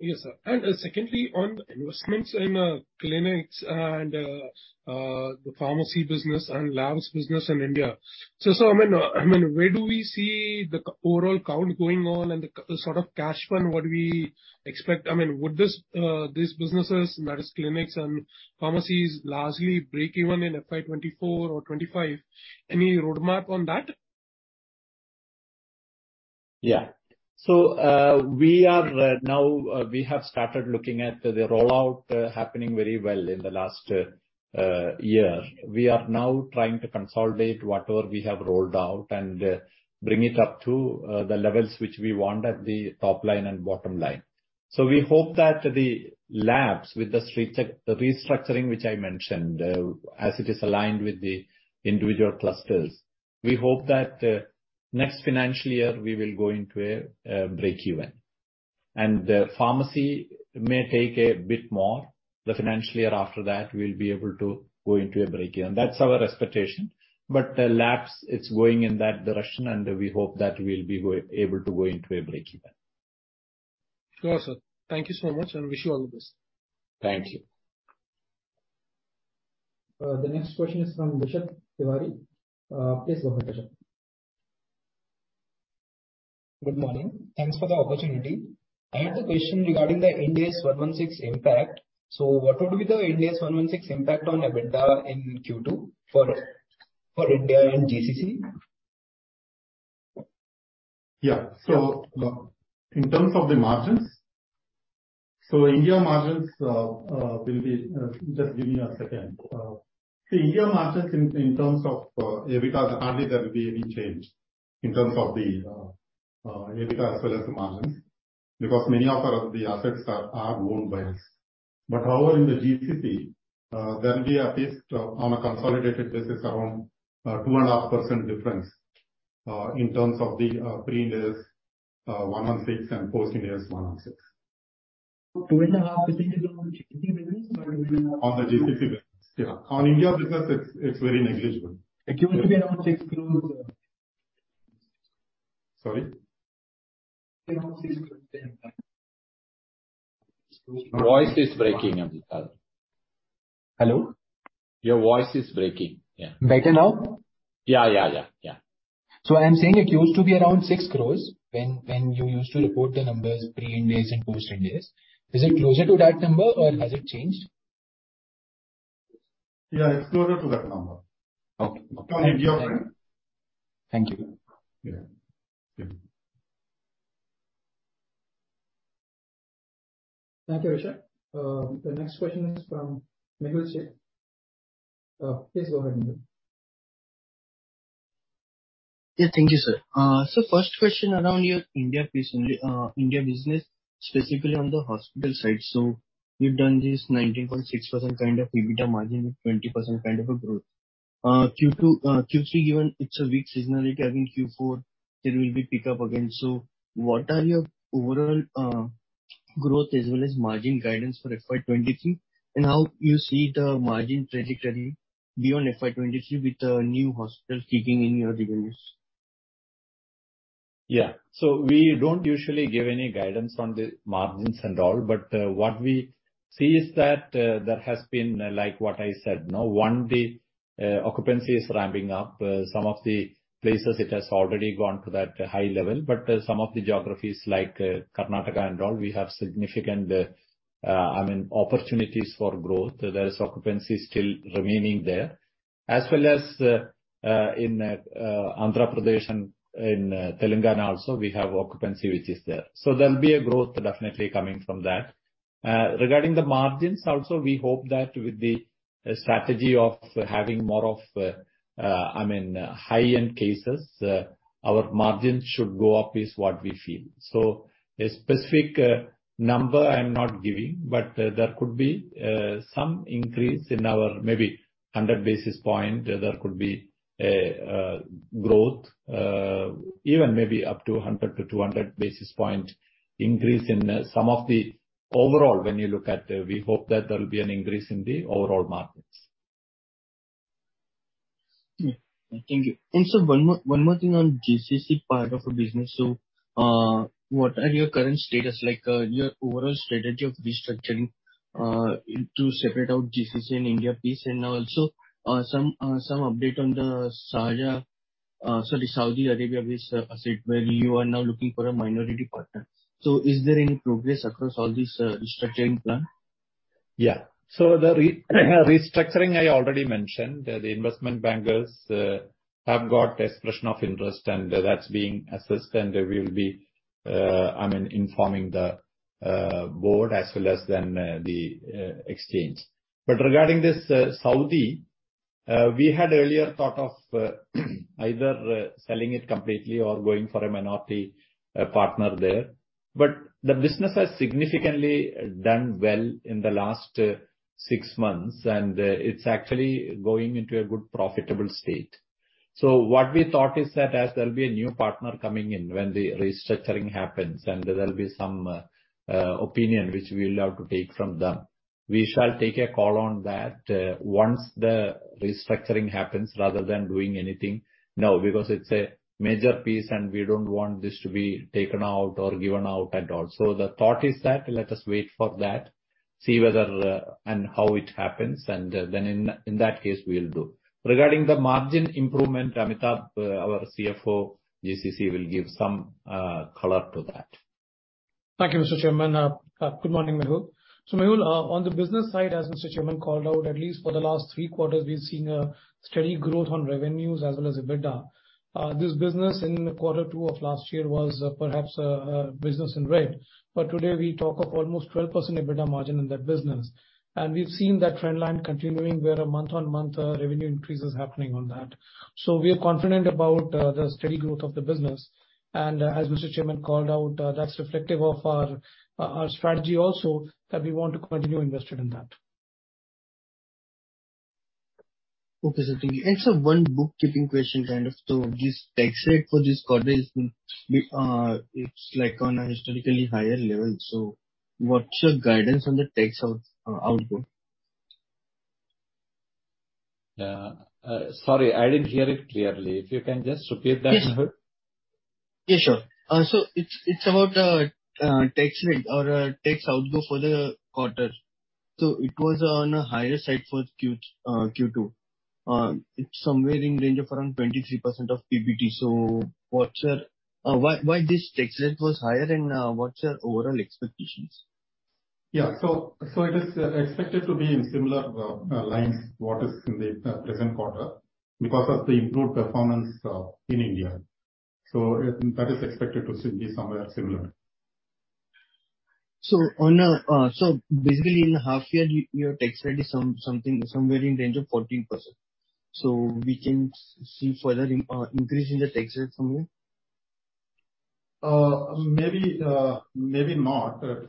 Yes, sir. Secondly, on investments in clinics and the pharmacy business and labs business in India. Where do we see the overall count going on and sort of cash flow, what do we expect? Would these businesses, that is clinics and pharmacies largely break even in FY 2024 or 2025? Any roadmap on that? Yeah. We have started looking at the rollout happening very well in the last year. We are now trying to consolidate whatever we have rolled out and bring it up to the levels which we want at the top line and bottom line. We hope that the labs with the restructuring which I mentioned, as it is aligned with the individual clusters. We hope that next financial year we will go into a breakeven. Pharmacy may take a bit more. The financial year after that, we'll be able to go into a breakeven. That's our expectation. The labs, it's going in that direction, and we hope that we'll be able to go into a breakeven. Sure, sir. Thank you so much, and wish you all the best. Thank you. The next question is from Vishal Tiwari. Please go ahead, Vishal. Good morning. Thanks for the opportunity. I had a question regarding the IndAS 116 impact. What would be the IndAS 116 impact on EBITDA in Q2 for India and GCC? In terms of the margins, the India margins in terms of EBITDA hardly will there be any change in terms of the EBITDA as well as the margins, because many of our assets are owned by us. However in the GCC, there will be at least on a consolidated basis around 2.5% difference in terms of the pre-IndAS 116 and post IndAS 116. 2.5% is on GCC revenues or India- On the GCC revenues. Yeah. On India business, it's very negligible. It used to be around INR 6 crore. Sorry? Around INR 6 crore. Voice is breaking, Amitabh. Hello. Your voice is breaking. Yeah. Better now? Yeah, yeah, yeah. I'm saying it used to be around 6 crore when you used to report the numbers pre-IndAS and post IndAS. Is it closer to that number, or has it changed? Yeah, it's closer to that number. Okay. To India. Thank you. Yeah. Yeah. Thank you, Rishabh. The next question is from Mehul Sheth. Please go ahead, Mehul. Yeah. Thank you, sir. First question around your India piece, India business, specifically on the hospital side. You've done this 19.6% kind of EBITDA margin with 20% kind of a growth. Q3, even it's a weak seasonality in Q4, there will be pick-up again. What are your overall growth as well as margin guidance for FY 2023, and how you see the margin trajectory beyond FY 2023 with the new hospital kicking in your revenues? Yeah. We don't usually give any guidance on the margins and all, but what we see is that there has been, like what I said, the occupancy is ramping up. Some of the places it has already gone to that high level. Some of the geographies like Karnataka and all, we have significant, I mean, opportunities for growth. There is occupancy still remaining there. As well as in Andhra Pradesh and in Telangana also we have occupancy which is there. There'll be a growth definitely coming from that. Regarding the margins also, we hope that with the strategy of having more of, I mean, high-end cases, our margins should go up, is what we feel. A specific number I'm not giving, but there could be some increase in our maybe 100 basis points. There could be a growth, even maybe up to 100 basis points-200 basis points increase in some of the overall, when you look at, we hope that there will be an increase in the overall margins. Thank you. Sir, one more thing on GCC part of the business. What are your current status like your overall strategy of restructuring to separate out GCC and India piece? Also, some update on the Saudi Arabia-based asset where you are now looking for a minority partner. Is there any progress across all these restructuring plan? The restructuring I already mentioned. The investment bankers have got expression of interest and that's being assessed and we'll be, I mean, informing the board as well as then the exchange. Regarding this Saudi, we had earlier thought of either selling it completely or going for a minority partner there. The business has significantly done well in the last six months, and it's actually going into a good profitable state. What we thought is that as there'll be a new partner coming in when the restructuring happens and there'll be some opinion which we'll have to take from them, we shall take a call on that once the restructuring happens rather than doing anything now, because it's a major piece and we don't want this to be taken out or given out at all. The thought is that let us wait for that, see whether and how it happens, and then in that case, we'll do. Regarding the margin improvement, Amitabh, our CFO, GCC will give some color to that. Thank you, Mr. Chairman. Good morning, Mehul. Mehul, on the business side, as Mr. Chairman called out, at least for the last three quarters, we've seen a steady growth on revenues as well as EBITDA. This business in quarter two of last year was perhaps a business in red. Today we talk of almost 12% EBITDA margin in that business. We've seen that trend line continuing, where a month-on-month revenue increase is happening on that. We are confident about the steady growth of the business. As Mr. Chairman called out, that's reflective of our strategy also that we want to continue invested in that. Okay. It's one bookkeeping question kind of. This tax rate for this quarter is, it's like on a historically higher level, so what's your guidance on the tax outcome? Sorry, I didn't hear it clearly. If you can just repeat that number. Yeah, sure. It's about tax rate or tax outcome for the quarter. It was on a higher side for Q2. It's somewhere in range of around 23% of PBT. Why this tax rate was higher and what's your overall expectations? It is expected to be in similar lines what is in the present quarter because of the improved performance in India. That is expected to still be somewhere similar. Basically in the half year, your tax rate is something somewhere in the range of 14%. We can see further increase in the tax rate from you? Maybe not. 14%,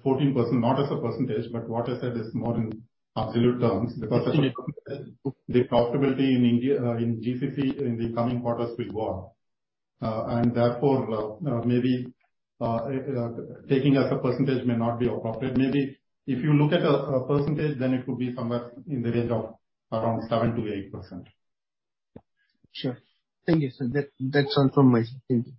not as a percentage, but what I said is more in absolute terms because the profitability in India, in GCC in the coming quarters will grow. Therefore, maybe taking as a percentage may not be appropriate. Maybe if you look at a percentage, then it could be somewhere in the range of around 7%-8%. Sure. Thank you, sir. That's all from my side. Thank you.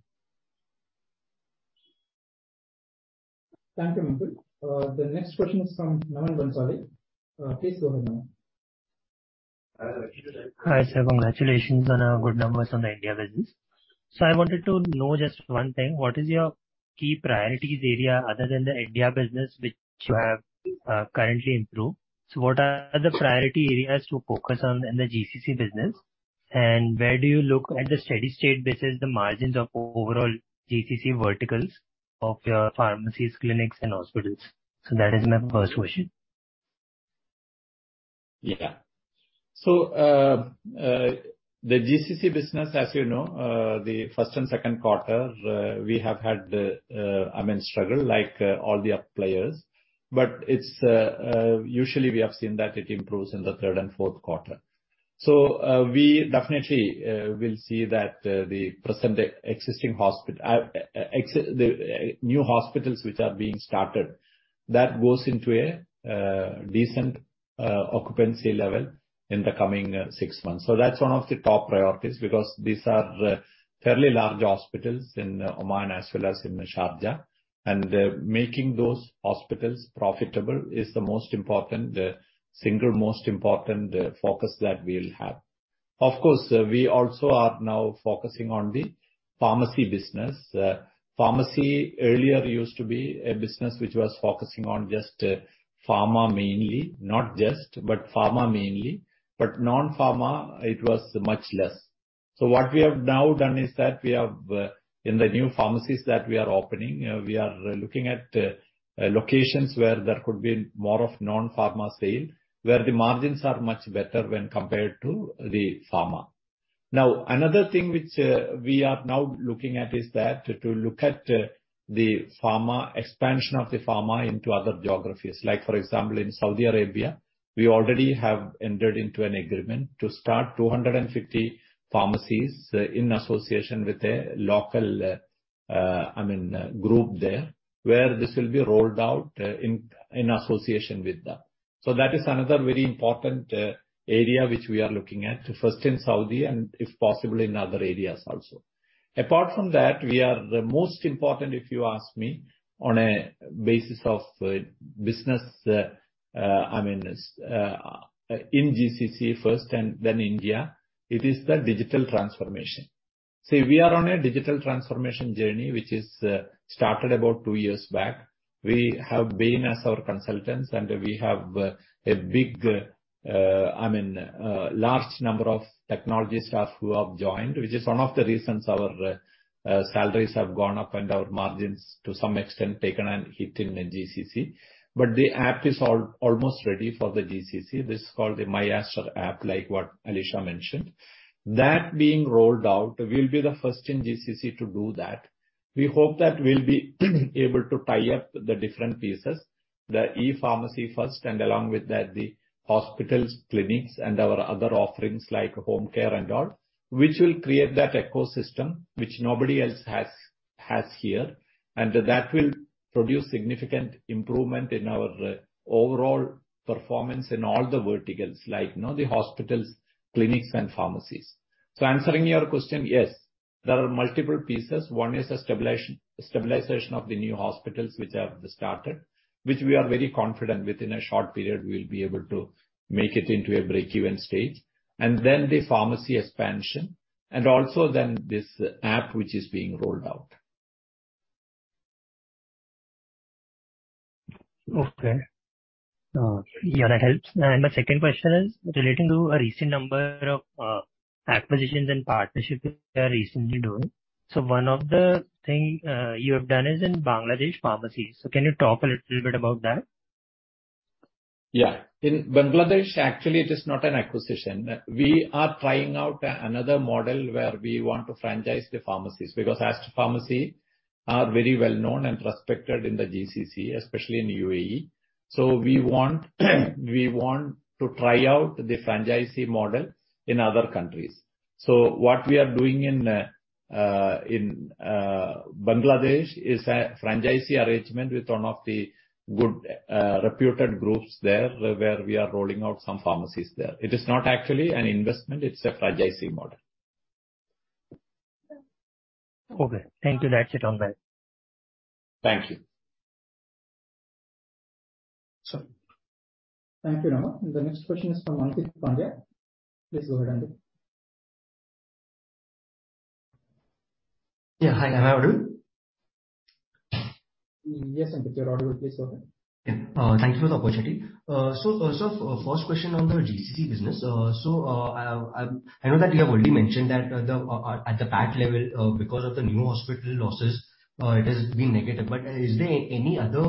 Thank you, Mehul. The next question is from Naman Bhansali. Please go ahead, Naman. Hi. Hi, sir. Congratulations on good numbers on the India business. I wanted to know just one thing. What is your key priorities area other than the India business which you have currently improved? What are the priority areas to focus on in the GCC business? And where do you look at the steady-state basis, the margins of overall GCC verticals of your pharmacies, clinics and hospitals? That is my first question. The GCC business, as you know, the first and second quarter, we have had, I mean, struggle like all the other players, but it's usually we have seen that it improves in the third and fourth quarter. We definitely will see that the new hospitals which are being started, that goes into a decent occupancy level in the coming six months. That's one of the top priorities because these are fairly large hospitals in Oman as well as in Sharjah. Making those hospitals profitable is the most important single most important focus that we'll have. Of course, we also are now focusing on the pharmacy business. Pharmacy earlier used to be a business which was focusing on pharma mainly, but non-pharma it was much less. What we have now done is that we have in the new pharmacies that we are opening, we are looking at locations where there could be more of non-pharma sale, where the margins are much better when compared to the pharma. Now, another thing which we are now looking at is that to look at the pharma expansion of the pharma into other geographies, like for example in Saudi Arabia, we already have entered into an agreement to start 250 pharmacies in association with a local, I mean, group there, where this will be rolled out in association with them. That is another very important area which we are looking at, first in Saudi and if possible in other areas also. Apart from that, we are the most important if you ask me on a basis of business, I mean, in GCC first and then India, it is the digital transformation. See, we are on a digital transformation journey which is started about two years back. We have been as our consultants, and we have a big, I mean, large number of technology staff who have joined, which is one of the reasons our salaries have gone up and our margins to some extent taken a hit in the GCC. But the app is almost ready for the GCC. This is called the myAster app, like what Alisha mentioned. That being rolled out, we'll be the first in GCC to do that. We hope that we'll be able to tie up the different pieces, the e-pharmacy first, and along with that the hospitals, clinics and our other offerings like home care and all, which will create that ecosystem which nobody else has here. That will produce significant improvement in our overall performance in all the verticals like, you know, the hospitals, clinics and pharmacies. Answering your question, yes, there are multiple pieces. One is a stabilization of the new hospitals which have started, which we are very confident within a short period we'll be able to make it into a break-even stage. Then the pharmacy expansion and also then this app which is being rolled out. Okay. Yeah, that helps. My second question is relating to a recent number of acquisitions and partnerships you are recently doing. One of the thing you have done is in Bangladesh Pharmacy. Can you talk a little bit about that? Yeah. In Bangladesh, actually, it is not an acquisition. We are trying out another model where we want to franchise the pharmacies because Aster Pharmacy are very well known and respected in the GCC, especially in U.A.E. We want to try out the franchisee model in other countries. What we are doing in Bangladesh is a franchisee arrangement with one of the good reputed groups there, where we are rolling out some pharmacies there. It is not actually an investment. It's a franchisee model. Okay. Thank you. That's it on my end. Thank you. Thank you, Naman. The next question is from Ankeet Pandya. Please go ahead, Ankeet. Yeah. Hi. Can I audible? Yes, Ankeet, your audible. Please go ahead. Yeah. Thank you for the opportunity. First question on the GCC business. I know that you have already mentioned that at the PAT level, because of the new hospital losses, it has been negative. Is there any other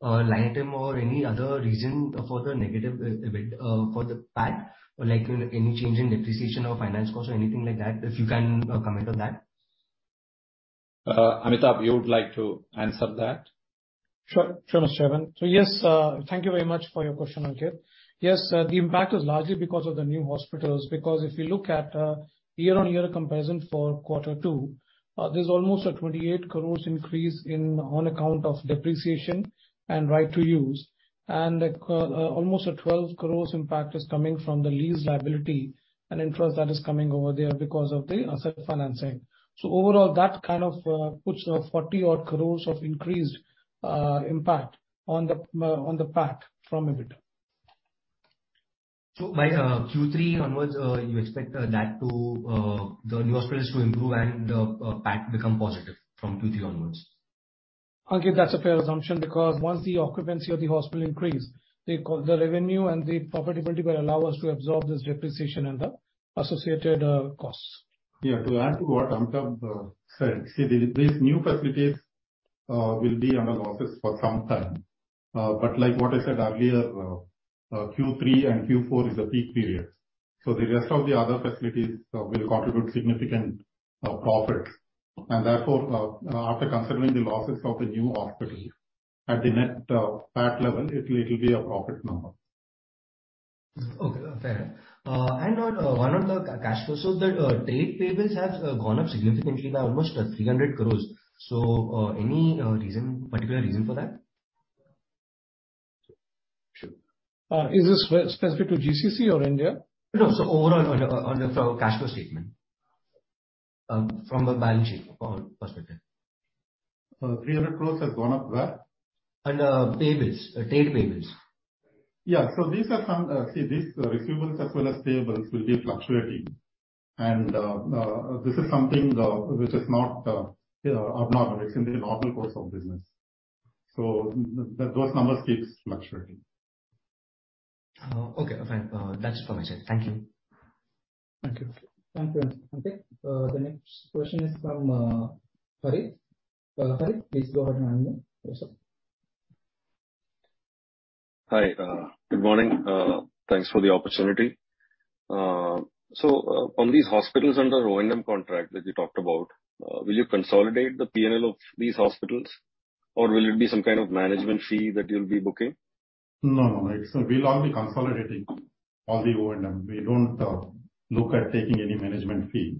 line item or any other reason for the negative EBITDA for the PAT? Or like any change in depreciation or finance costs or anything like that, if you can comment on that. Amitabh, you would like to answer that? Sure. Sure, Chairman. Yes, thank you very much for your question, Ankeet. Yes, the impact is largely because of the new hospitals, because if you look at year-on-year comparison for quarter two, there's almost an 28 crore increase on account of depreciation and right to use. Almost an 12 crore impact is coming from the lease liability and interest that is coming over there because of the asset financing. Overall, that kind of puts a 40-odd crore increased impact on the PAT from EBITDA. By Q3 onwards, you expect that too, the new hospitals to improve and PAT become positive from Q3 onwards? Ankeet, that's a fair assumption because once the occupancy of the hospital increase, the revenue and the profitability will allow us to absorb this depreciation and the associated costs. Yeah. To add to what Amitabh said, see these new facilities will be under losses for some time. Like what I said earlier, Q3 and Q4 is the peak period. The rest of the other facilities will contribute significant profits. Therefore, after considering the losses of the new hospital at the net PAT level, it'll be a profit number. Okay. Fair. On the cash flows. The payables have gone up significantly. They're almost 300 crore. Any particular reason for that? Is this specific to GCC or India? No, overall on the cash flow statement. From the balance sheet perspective. 300 crore has gone up where? Under payables, trade payables. Yeah. These receivables as well as payables will be fluctuating. This is something which is not abnormal. It's in the normal course of business. Those numbers keeps fluctuating. Okay. Fine. That's from my side. Thank you. Thank you. Thank you, Ankeet. The next question is from Harith. Harith, please go ahead and Yes, sir. Hi. Good morning. Thanks for the opportunity. On these hospitals under O&M contract that you talked about, will you consolidate the P&L of these hospitals? Or will it be some kind of management fee that you'll be booking? No, no. It's. We'll all be consolidating all the O&M. We don't look at taking any management fee.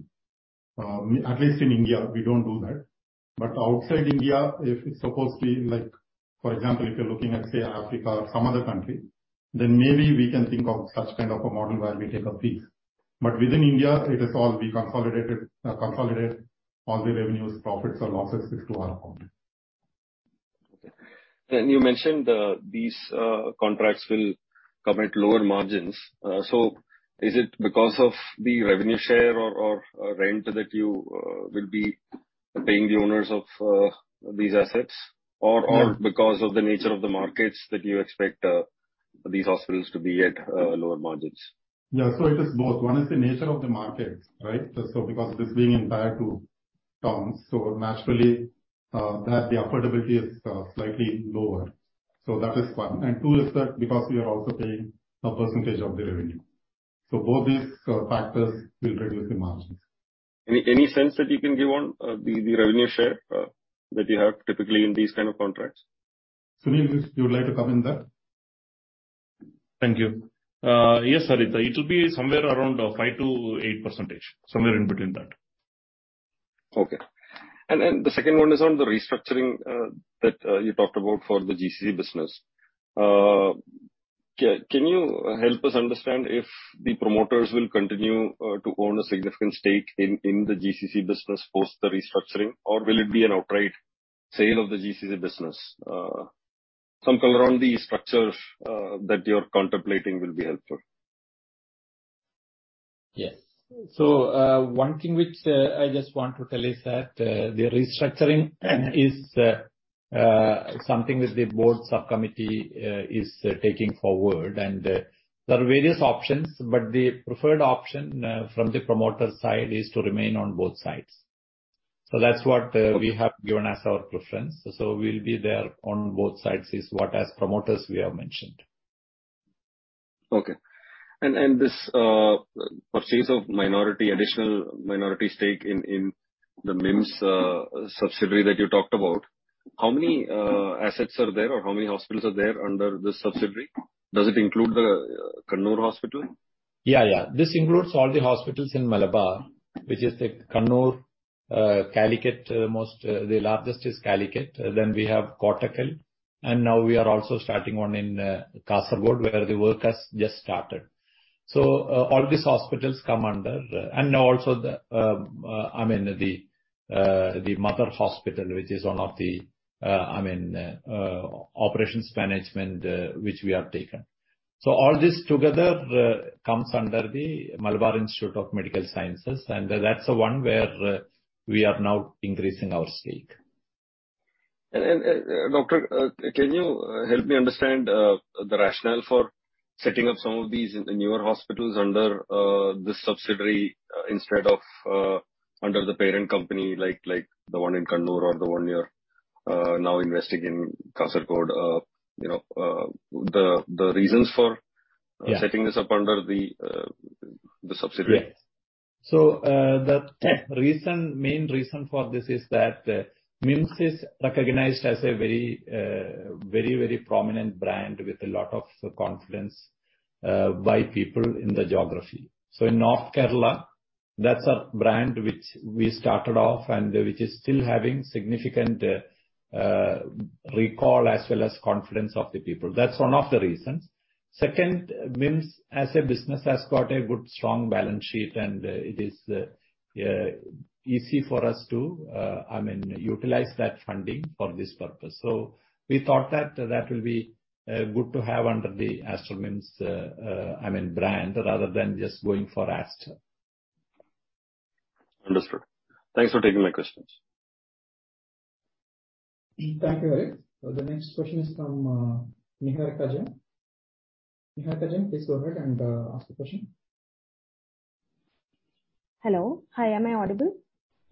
We at least in India, we don't do that. Outside India, if it's supposed to be like, for example, if you're looking at, say, Africa or some other country, then maybe we can think of such kind of a model where we take a fee. Within India, it is all we consolidate all the revenues, profits and losses into our company. Okay. You mentioned these contracts will come at lower margins. Is it because of the revenue share or rent that you will be paying the owners of these assets? Because of the nature of the markets that you expect these hospitals to be at lower margins? Yeah. It is both. One is the nature of the markets, right? Just so because it is being entire two towns, so naturally, that the affordability is, slightly lower. That is one. Two is that because we are also paying a percentage of the revenue. Both these, factors will reduce the margins. Any sense that you can give on the revenue share that you have typically in these kind of contracts? Sunil, would you like to comment that? Thank you. Yes, Harith. It will be somewhere around 5%-8%, somewhere in between that. Okay. The second one is on the restructuring that you talked about for the GCC business. Can you help us understand if the promoters will continue to own a significant stake in the GCC business post the restructuring? Or will it be an outright sale of the GCC business? Some color on the structure that you're contemplating will be helpful. Yes. One thing which I just want to tell is that the restructuring is something which the Board Sub-Committee is taking forward. There are various options, but the preferred option from the promoter side is to remain on both sides. That's what we have given as our preference. We'll be there on both sides is what as promoters we have mentioned. Okay. This purchase of additional minority stake in the MIMS subsidiary that you talked about, how many assets are there or how many hospitals are there under this subsidiary? Does it include the Kannur Hospital? Yeah, yeah. This includes all the hospitals in Malabar, which is the Kannur, Calicut. The largest is Calicut, then we have Kottakkal, and now we are also starting one in Kasaragod, where the work has just started. All these hospitals come under. I mean the Mother Hospital, which is one of the, I mean, operations management, which we have taken. All this together comes under the Malabar Institute of Medical Sciences, and that's the one where we are now increasing our stake. Doctor, can you help me understand the rationale for setting up some of these newer hospitals under this subsidiary instead of under the parent company like the one in Kannur or the one you're now investing in Kasaragod? You know, the reasons for- Yeah. Setting this up under the subsidiary. Yeah. The reason, main reason for this is that MIMS is recognized as a very prominent brand with a lot of confidence by people in the geography. In North Kerala, that's a brand which we started off and which is still having significant recall as well as confidence of the people. That's one of the reasons. Second, MIMS, as a business, has got a good strong balance sheet and it is easy for us to I mean, utilize that funding for this purpose. We thought that that will be good to have under the Aster MIMS I mean, brand rather than just going for Aster. Understood. Thanks for taking my questions. Thank you, Harith. The next question is from Niharika Jain. Niharika Jain, please go ahead and ask the question. Hello. Hi, am I audible?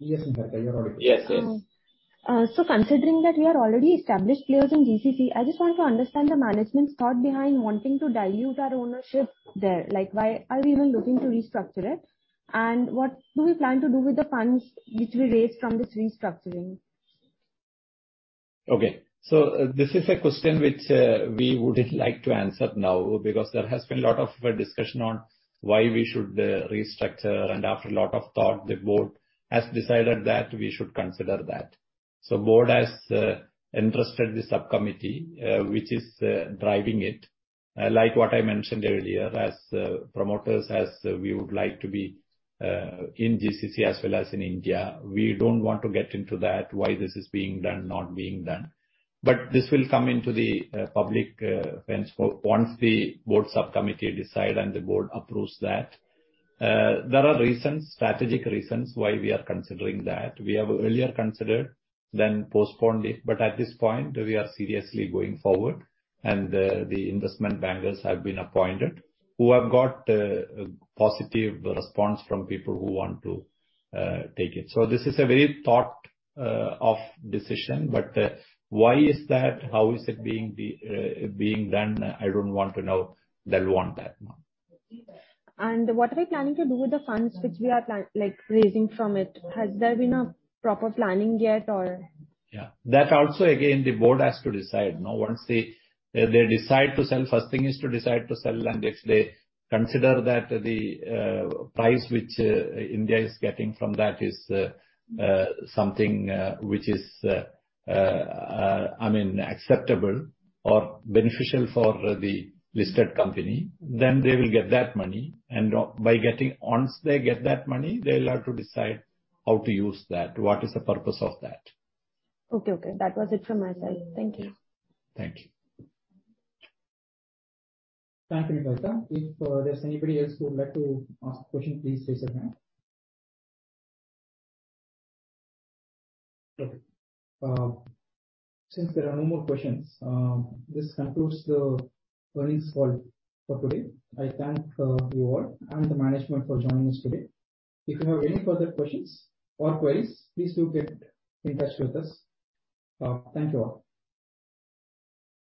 Yes, Niharika, you're audible. Yes, yes. Considering that we are already established players in GCC, I just want to understand the management's thought behind wanting to dilute our ownership there. Why are we even looking to restructure it? What do we plan to do with the funds which we raised from this restructuring? Okay. This is a question which, we wouldn't like to answer now because there has been a lot of discussion on why we should restructure, and after a lot of thought, the board has decided that we should consider that. board has instructed the subcommittee, which is driving it. Like what I mentioned earlier, as promoters as we would like to be, in GCC as well as in India, we don't want to get into that, why this is being done, not being done. This will come into the public, once the Board Sub-Committee decide and the board approves that. There are reasons, strategic reasons why we are considering that. We have earlier considered then postponed it, but at this point we are seriously going forward and the investment bankers have been appointed who have got a positive response from people who want to take it. This is a very thought out decision. Why is that? How is it being done? I don't want to now delve on that one. What are we planning to do with the funds which we are like, raising from it? Has there been a proper planning yet or? Yeah. That also again, the board has to decide. Now, once they decide to sell, first thing is to decide to sell. Next, they consider that the price which India is getting from that is something which is, I mean, acceptable or beneficial for the listed company. They will get that money. Once they get that money, they'll have to decide how to use that, what is the purpose of that. Okay, okay. That was it from my side. Thank you. Thank you. Thank you, Niharika. If there's anybody else who would like to ask a question, please raise your hand. Okay. Since there are no more questions, this concludes the earnings call for today. I thank you all and the management for joining us today. If you have any further questions or queries, please do get in touch with us. Thank you all.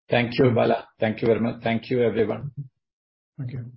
Thank you, Bala. Thank you very much. Thank you, everyone. Thank you.